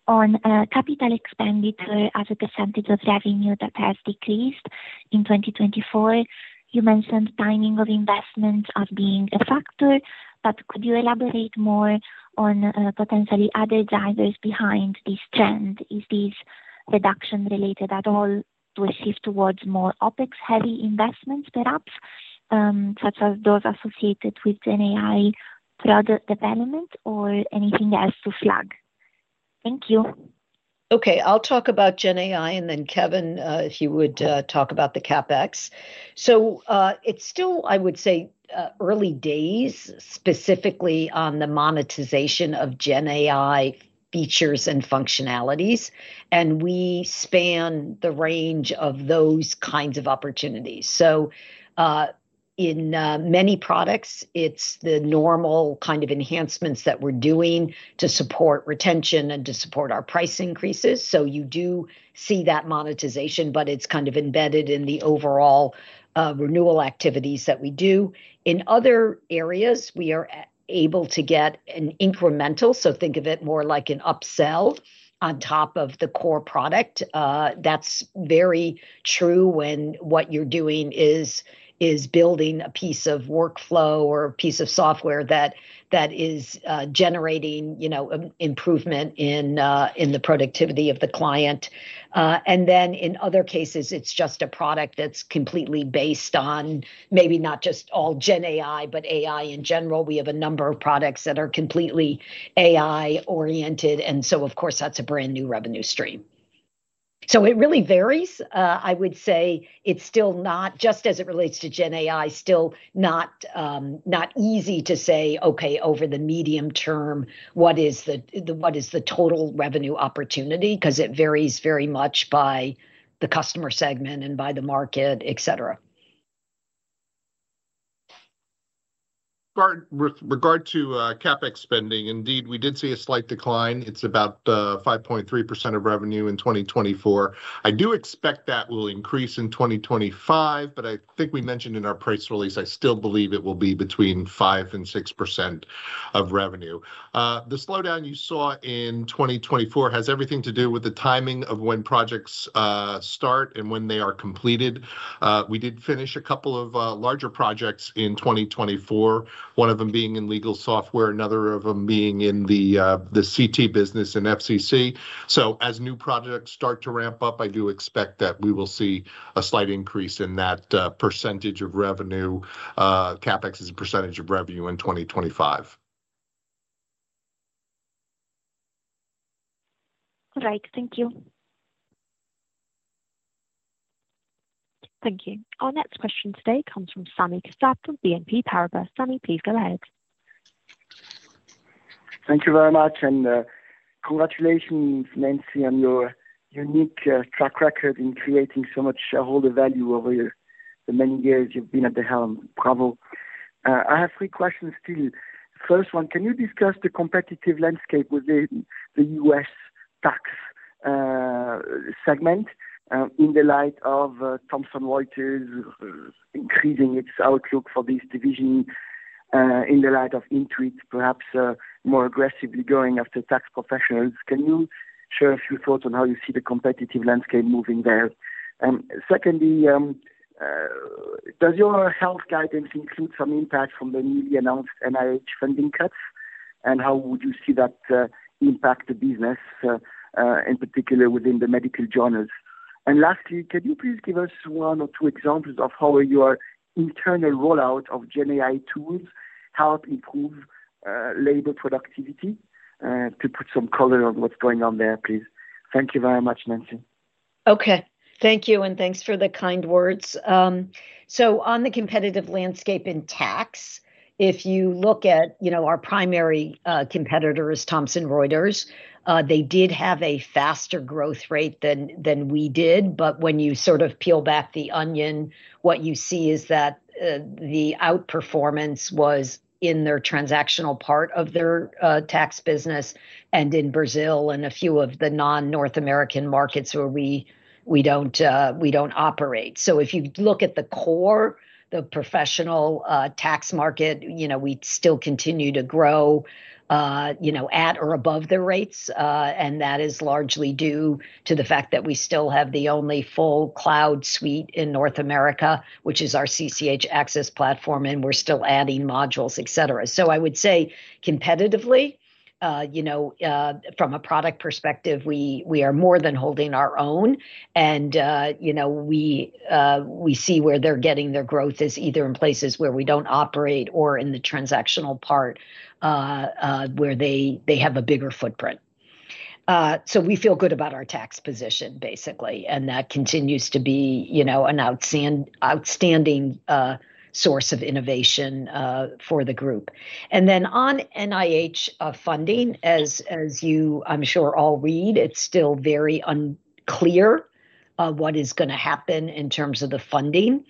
on capital expenditure as a percentage of revenue that has decreased in 2024. You mentioned timing of investment as being a factor, but could you elaborate more on potentially other drivers behind this trend? Is this reduction related at all to a shift towards more OpEx-heavy investments, perhaps, such as those associated with GenAI product development, or anything else to flag? Thank you. Okay. I'll talk about GenAI, and then Kevin, if you would talk about the CapEx. So it's still, I would say, early days, specifically on the monetization of GenAI features and functionalities. And we span the range of those kinds of opportunities. So in many products, it's the normal kind of enhancements that we're doing to support retention and to support our price increases. So you do see that monetization, but it's kind of embedded in the overall renewal activities that we do. In other areas, we are able to get an incremental, so think of it more like an upsell on top of the core product. That's very true when what you're doing is building a piece of workflow or a piece of software that is generating improvement in the productivity of the client, and then in other cases, it's just a product that's completely based on maybe not just all GenAI, but AI in general. We have a number of products that are completely AI-oriented, and so, of course, that's a brand new revenue stream, so it really varies. I would say it's still not, just as it relates to GenAI, still not easy to say, "Okay, over the medium term, what is the total revenue opportunity?" because it varies very much by the customer segment and by the market, etc. Regarding CapEx spending, indeed, we did see a slight decline. It's about 5.3% of revenue in 2024. I do expect that will increase in 2025, but I think we mentioned in our press release, I still believe it will be between 5% to 6% of revenue. The slowdown you saw in 2024 has everything to do with the timing of when projects start and when they are completed. We did finish a couple of larger projects in 2024, one of them being in Legal Software another of them being in the CT business in FinCEN. So as new projects start to ramp up, I do expect that we will see a slight increase in that percentage of revenue. CapEx is a percentage of revenue in 2025. All right. Thank you. Thank you. Our next question today comes from Sami Kassab from BNP Paribas. Sami, please go ahead. Thank you very much. And congratulations, Nancy, on your unique track record in creating so much shareholder value over the many years you've been at the helm. Bravo. I have three questions still. First one, can you discuss the competitive landscape with the US tax segment in the light of Thomson Reuters increasing its outlook for this division in the light of Intuit, perhaps more aggressively going after tax professionals? Can you share a few thoughts on how you see the competitive landscape moving there? And secondly, does your health guidance include some impact from the newly announced NIH funding cuts? And how would you see that impact the business, in particular within the medical journals? And lastly, could you please give us one or two examples of how your internal rollout of GenAI tools helped improve labor productivity? To put some color on what's going on there, please. Thank you very much, Nancy. Okay. Thank you, and thanks for the kind words. So on the competitive landscape in tax, if you look at our primary competitor, Thomson Reuters, they did have a faster growth rate than we did. But when you sort of peel back the onion, what you see is that the outperformance was in their transactional part of their tax business and in Brazil and a few of the non-North American markets where we don't operate. So if you look at the core, the professional tax market, we still continue to grow at or above their rates, and that is largely due to the fact that we still have the only full cloud suite in North America, which is our CCH Access platform, and we're still adding modules, etc. So I would say competitively, from a product perspective, we are more than holding our own. And we see where they're getting their growth is either in places where we don't operate or in the transactional part where they have a bigger footprint. So we feel good about our tax position, basically, and that continues to be an outstanding source of innovation for the group. And then on NIH funding, as you, I'm sure, all read, it's still very unclear what is going to happen in terms of the funding.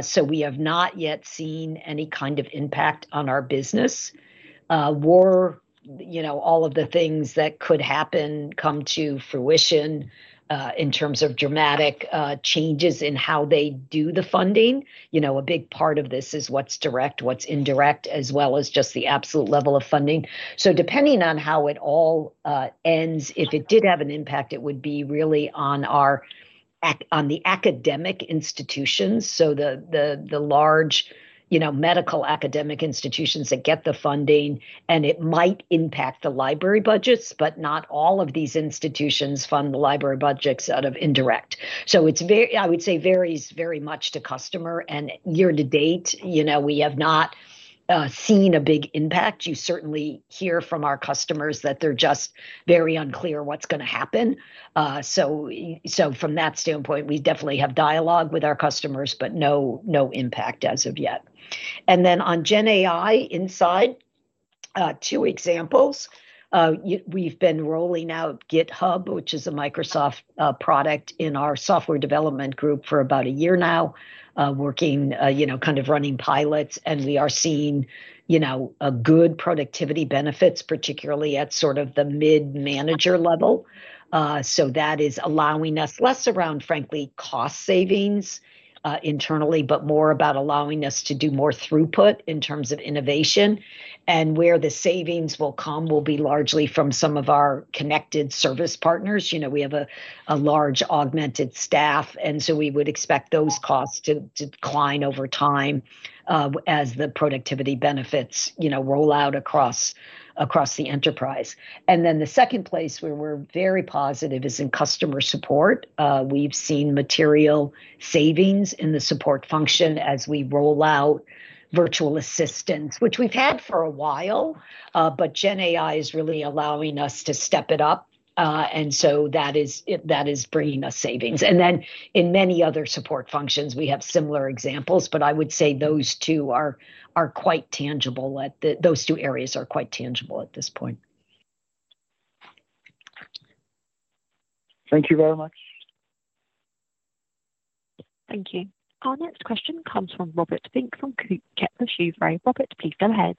So we have not yet seen any kind of impact on our business. Or all of the things that could happen come to fruition in terms of dramatic changes in how they do the funding. A big part of this is what's direct, what's indirect, as well as just the absolute level of funding. So depending on how it all ends, if it did have an impact, it would be really on the academic institutions, so the large medical academic institutions that get the funding, and it might impact the library budgets, but not all of these institutions fund the library budgets out of indirect. So I would say varies very much to customer. And year to date, we have not seen a big impact. You certainly hear from our customers that they're just very unclear what's going to happen. So from that standpoint, we definitely have dialogue with our customers, but no impact as of yet. And then on GenAI inside, two examples. We've been rolling out GitHub, which is a Microsoft product in our software development group for about a year now, working kind of running pilots. And we are seeing good productivity benefits, particularly at sort of the mid-manager level. That is allowing us leverage around, frankly, cost savings internally, but more about allowing us to do more throughput in terms of innovation. Where the savings will come, will be largely from some of our connected service partners. We have a large augmented staff, and so we would expect those costs to decline over time as the productivity benefits roll out across the enterprise. The second place where we're very positive is in customer support. We've seen material savings in the support function as we roll out virtual assistants, which we've had for a while, but GenAI is really allowing us to step it up. That is bringing us savings. In many other support functions, we have similar examples, but I would say those two are quite tangible. Those two areas are quite tangible at this point. Thank you very much. Thank you. Our next question comes from Robert Miller from Kepler Cheuvreux. Robert, please go ahead.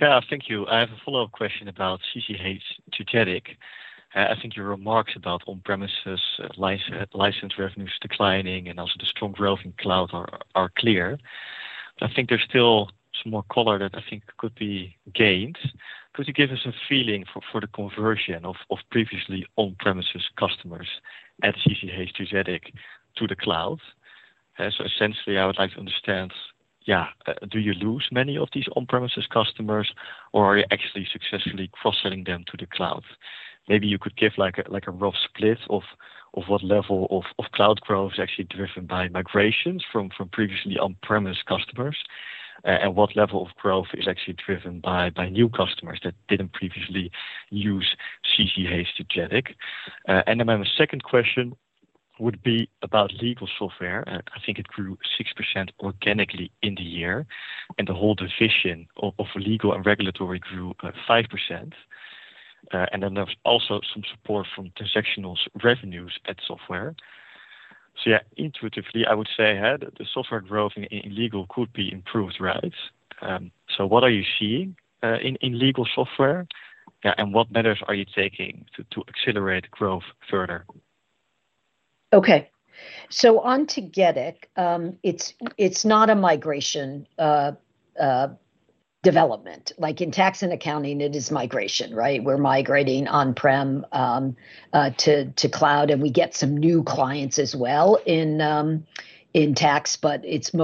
Yeah, thank you. I have a follow-up question about CCH Tagetik. I think your remarks about on-premises license revenues declining and also the strong growth in cloud are clear. I think there's still some more color that I think could be gained. Could you give us a feeling for the conversion of previously on-premises customers at CCH Tagetik to the cloud? So essentially, I would like to understand, yeah, do you lose many of these on-premises customers, or are you actually successfully cross-selling them to the cloud? Maybe you could give a rough split of what level of cloud growth is actually driven by migrations from previously on-premise customers and what level of growth is actually driven by new customers that didn't previously use CCH Tagetik. My second question would be about Legal Software. I think it grew 6% organically in the year, and the whole division of Legal & Regulatory grew 5%. There's also some support from transactional revenues at software. So yeah, intuitively, I would say the software growth in legal could be improved, right? So what are you seeing in Legal Software, and what measures are you taking to accelerate growth further? Okay. On Tagetik, it's not a migration development. Like in Tax & Accounting, it is migration, right? We're migrating on-premise to cloud, and we get some new clients as well in tax, but it's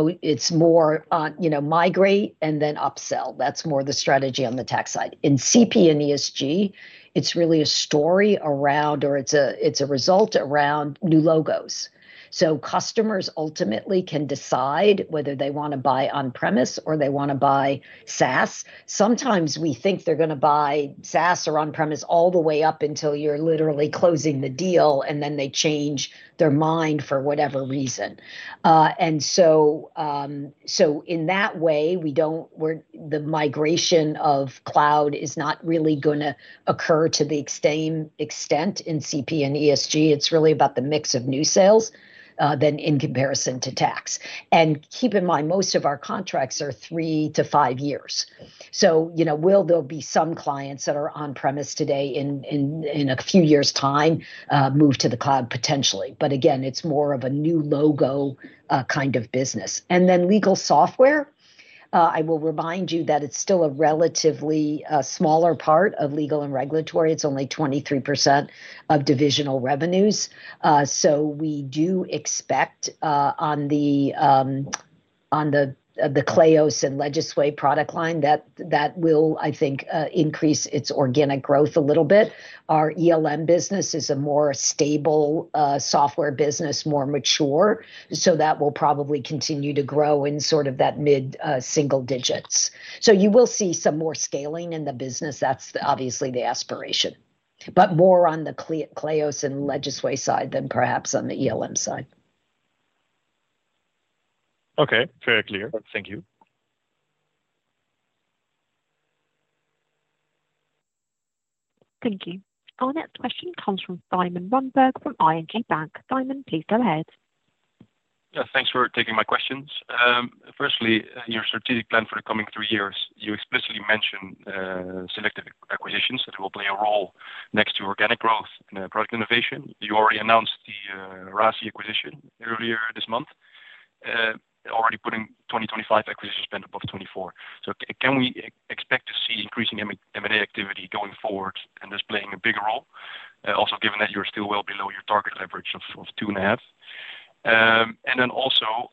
more migrate and then upsell. That's more the strategy on the tax side. In CP and ESG, it's really a story around, or it's a result around new logos. So customers ultimately can decide whether they want to buy on-premise or they want to buy SaaS. Sometimes we think they're going to buy SaaS or on-premise all the way up until you're literally closing the deal, and then they change their mind for whatever reason. And so in that way, the migration of cloud is not really going to occur to the same extent in CP and ESG. It's really about the mix of new sales than in comparison to tax. And keep in mind, most of our contracts are three to five years. So will there be some clients that are on-premise today in a few years' time move to the cloud potentially? But again, it's more of a new logo kind of business. And then Legal Software, I will remind you that it's still a relatively smaller part of Legal & Regulatory. It's only 23% of divisional revenues. So we do expect on the Kleos and Legisway product line that that will, I think, increase its organic growth a little bit. Our ELM business is a more stable software business, more mature. So that will probably continue to grow in sort of that mid-single digits. So you will see some more scaling in the business. That's obviously the aspiration, but more on the Kleos and Legisway side than perhaps on the ELM side. Okay. Very clear. Thank you. Thank you. Our next question comes from Simon Berg from ING Bank. Simon, please go ahead. Yeah. Thanks for taking my questions. Firstly, your strategic plan for the coming three years. You explicitly mentioned selective acquisitions that will play a role next to organic growth and product innovation. You already announced the RASi acquisition earlier this month, already putting 2025 acquisition spend above 24. So can we expect to see increasing M&A activity going forward and this playing a bigger role? Also, given that you're still well below your target leverage of two and a half. And then also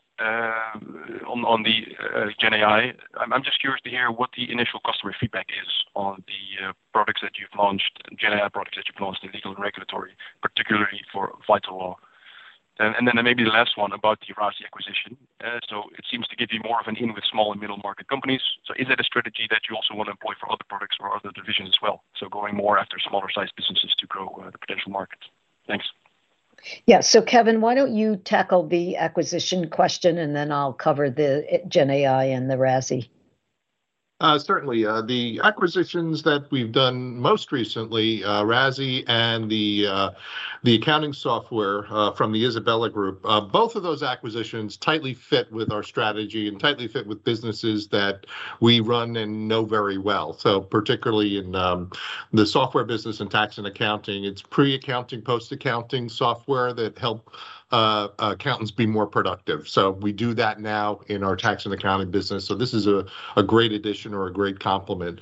on the GenAI, I'm just curious to hear what the initial customer feedback is on the products that you've launched, GenAI products that you've launched in Legal & Regulatory, particularly for VitalLaw. And then maybe the last one about the RASi acquisition. So it seems to give you more of an in with small and middle market companies. So is that a strategy that you also want to employ for other products or other divisions as well? So going more after smaller-sized businesses to grow the potential markets. Thanks. Yeah. So Kevin, why don't you tackle the acquisition question, and then I'll cover the GenAI and the RASi? Certainly. The acquisitions that we've done most recently, RASi and the accounting software from the Isabel Group, both of those acquisitions tightly fit with our strategy and tightly fit with businesses that we run and know very well. So particularly in the software business and Tax & Accounting, it's pre-accounting, post-accounting software that help accountants be more productive. So we do that now in our Tax & Accounting business. So this is a great addition or a great complement.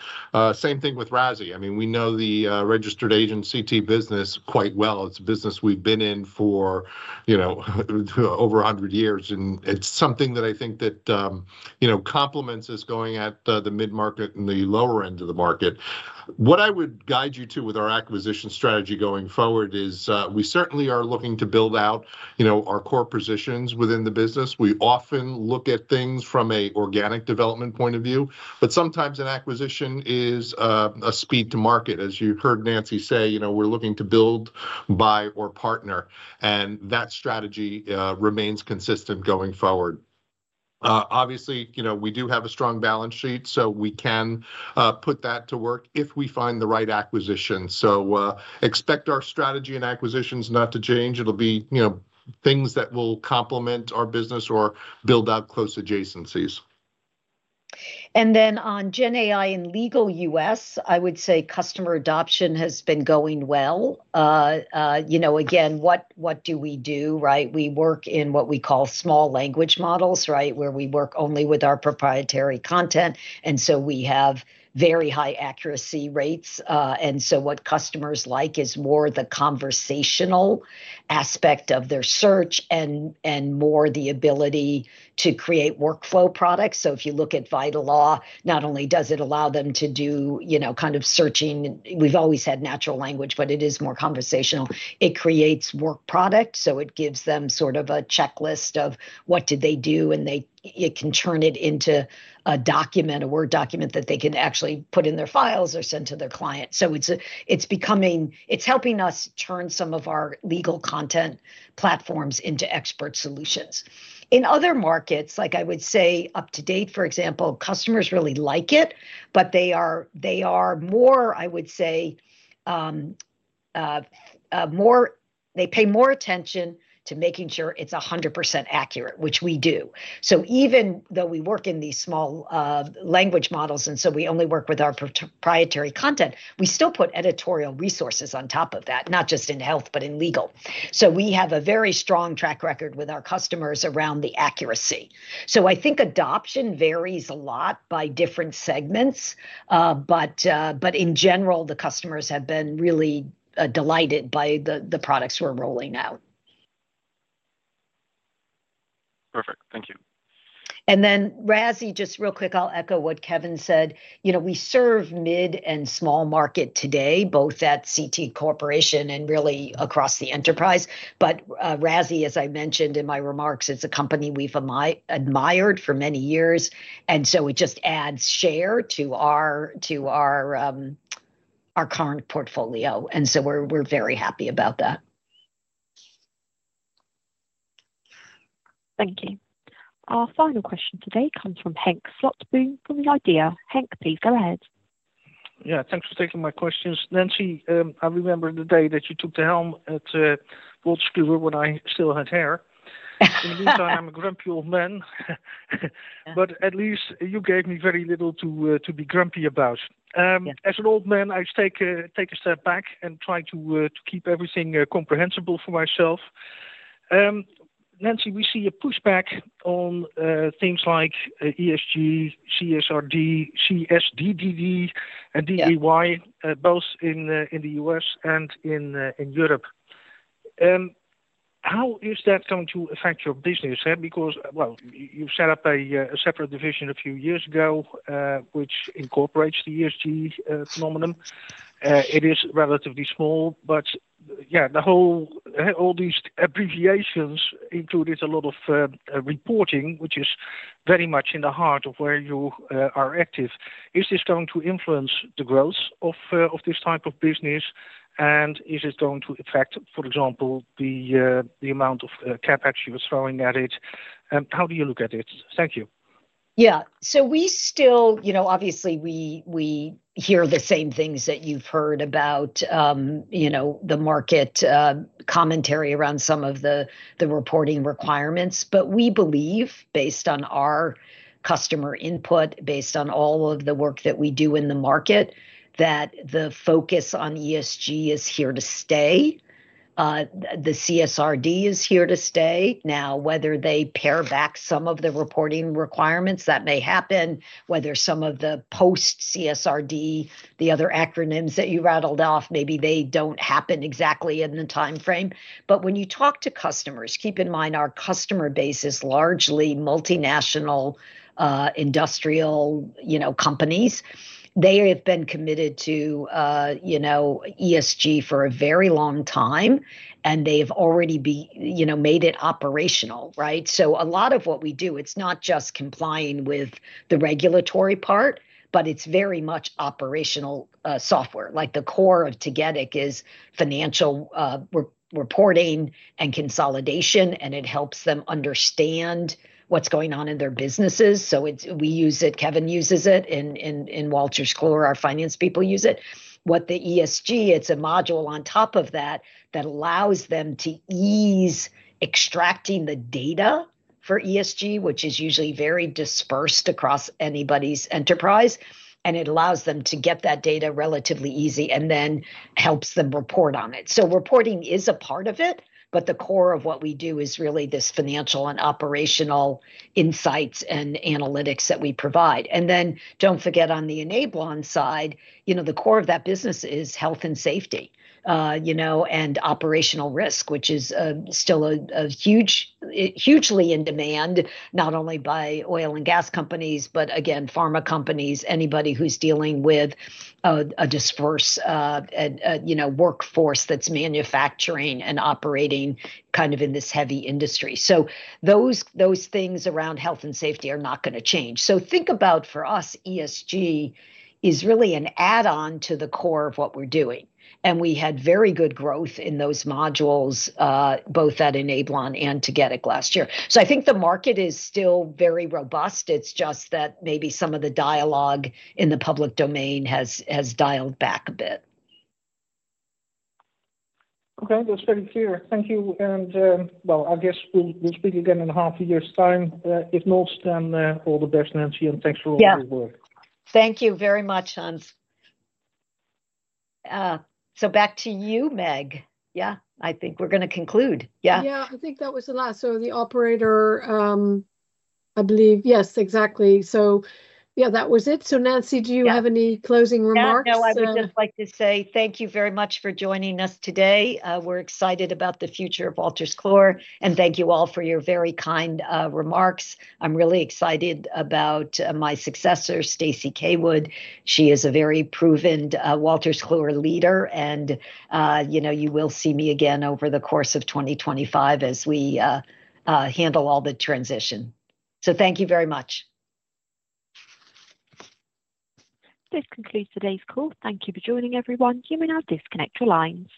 Same thing with RASi. I mean, we know the registered agent business quite well. It's a business we've been in for over 100 years. And it's something that I think that complements us going at the mid-market and the lower end of the market. What I would guide you to with our acquisition strategy going forward is we certainly are looking to build out our core positions within the business. We often look at things from an organic development point of view, but sometimes an acquisition is a speed to market. As you heard Nancy say, we're looking to build, buy, or partner, and that strategy remains consistent going forward. Obviously, we do have a strong balance sheet, so we can put that to work if we find the right acquisition, so expect our strategy and acquisitions not to change. It'll be things that will complement our business or build out close adjacencies. And then on GenAI and Legal U.S., I would say customer adoption has been going well. Again, what do we do, right? We work in what we call small language models, right, where we work only with our proprietary content, and so we have very high accuracy rates. What customers like is more the conversational aspect of their search and more the ability to create workflow products. So if you look at VitalLaw, not only does it allow them to do kind of searching, we've always had natural language, but it is more conversational. It creates work products. So it gives them sort of a checklist of what did they do, and it can turn it into a document, a Word document that they can actually put in their files or send to their client. So it's helping us turn some of our legal content platforms into expert solutions. In other markets, like I would say UpToDate, for example, customers really like it, but they are more, I would say, they pay more attention to making sure it's 100% accurate, which we do. So even though we work in these small language models, and so we only work with our proprietary content, we still put editorial resources on top of that, not just in health, but in legal. So we have a very strong track record with our customers around the accuracy. So I think adoption varies a lot by different segments, but in general, the customers have been really delighted by the products we're rolling out. Perfect. Thank you. And then RASi, just real quick, I'll echo what Kevin said. We serve mid and small market today, both at CT Corporation and really across the enterprise. But RASi, as I mentioned in my remarks, is a company we've admired for many years. And so it just adds share to our current portfolio. And so we're very happy about that. Thank you. Our final question today comes from Henk Slotboom from The IDEA. Henk, please go ahead. Yeah. Thanks for taking my questions. Nancy, I remember the day that you took the helm at Wolters Kluwer when I still had hair. In the meantime, I'm a grumpy old man, but at least you gave me very little to be grumpy about. As an old man, I take a step back and try to keep everything comprehensible for myself. Nancy, we see a pushback on things like ESG, CSRD, CSDDD, and DEI, both in the U.S. and in Europe. How is that going to affect your business? Because, well, you've set up a separate division a few years ago, which incorporates the ESG phenomenon. It is relatively small, but yeah, all these abbreviations include a lot of reporting, which is very much in the heart of where you are active. Is this going to influence the growth of this type of business? And is it going to affect, for example, the amount of CapEx you're throwing at it? How do you look at it? Thank you. Yeah. So we still, obviously, we hear the same things that you've heard about the market commentary around some of the reporting requirements. But we believe, based on our customer input, based on all of the work that we do in the market, that the focus on ESG is here to stay. The CSRD is here to stay. Now, whether they pare back some of the reporting requirements, that may happen. Whether some of the post-CSRD, the other acronyms that you rattled off, maybe they don't happen exactly in the timeframe. But when you talk to customers, keep in mind our customer base is largely multinational industrial companies. They have been committed to ESG for a very long time, and they have already made it operational, right? So a lot of what we do, it's not just complying with the regulatory part, but it's very much operational software. Like the core of Tagetik is financial reporting and consolidation, and it helps them understand what's going on in their businesses. So we use it. Kevin uses it. In Wolters Kluwer, our finance people use it. With the ESG, it's a module on top of that that allows them to easily extract the data for ESG, which is usually very dispersed across anybody's enterprise. And it allows them to get that data relatively easily and then helps them report on it. So reporting is a part of it, but the core of what we do is really this financial and operational insights and analytics that we provide. And then don't forget on the Enablon side, the core of that business is health and safety and operational risk, which is still hugely in demand, not only by oil and gas companies, but again, pharma companies, anybody who's dealing with a dispersed workforce that's manufacturing and operating kind of in this heavy industry. So those things around health and safety are not going to change. So think about for us, ESG is really an add-on to the core of what we're doing. And we had very good growth in those modules, both at Enablon and Tagetik last year. So I think the market is still very robust. It's just that maybe some of the dialogue in the public domain has dialed back a bit. Okay. That's very clear. Thank you. And well, I guess we'll speak again in half a year's time. If not, then all the best, Nancy. And thanks for all your work. Yeah. Thank you very much, Henk. So back to you, Meg. Yeah. I think we're going to conclude. Yeah. Yeah. I think that was a lot. So the operator, I believe. Yes, exactly. So yeah, that was it. So Nancy, do you have any closing remarks? Yeah. No, I would just like to say thank you very much for joining us today. We're excited about the future of Wolters Kluwer. And thank you all for your very kind remarks. I'm really excited about my successor, Stacey Caywood. She is a very proven Wolters Kluwer leader. And you will see me again over the course of 2025 as we handle all the transition. So thank you very much. This concludes today's call. Thank you for joining, everyone. You may now disconnect your lines.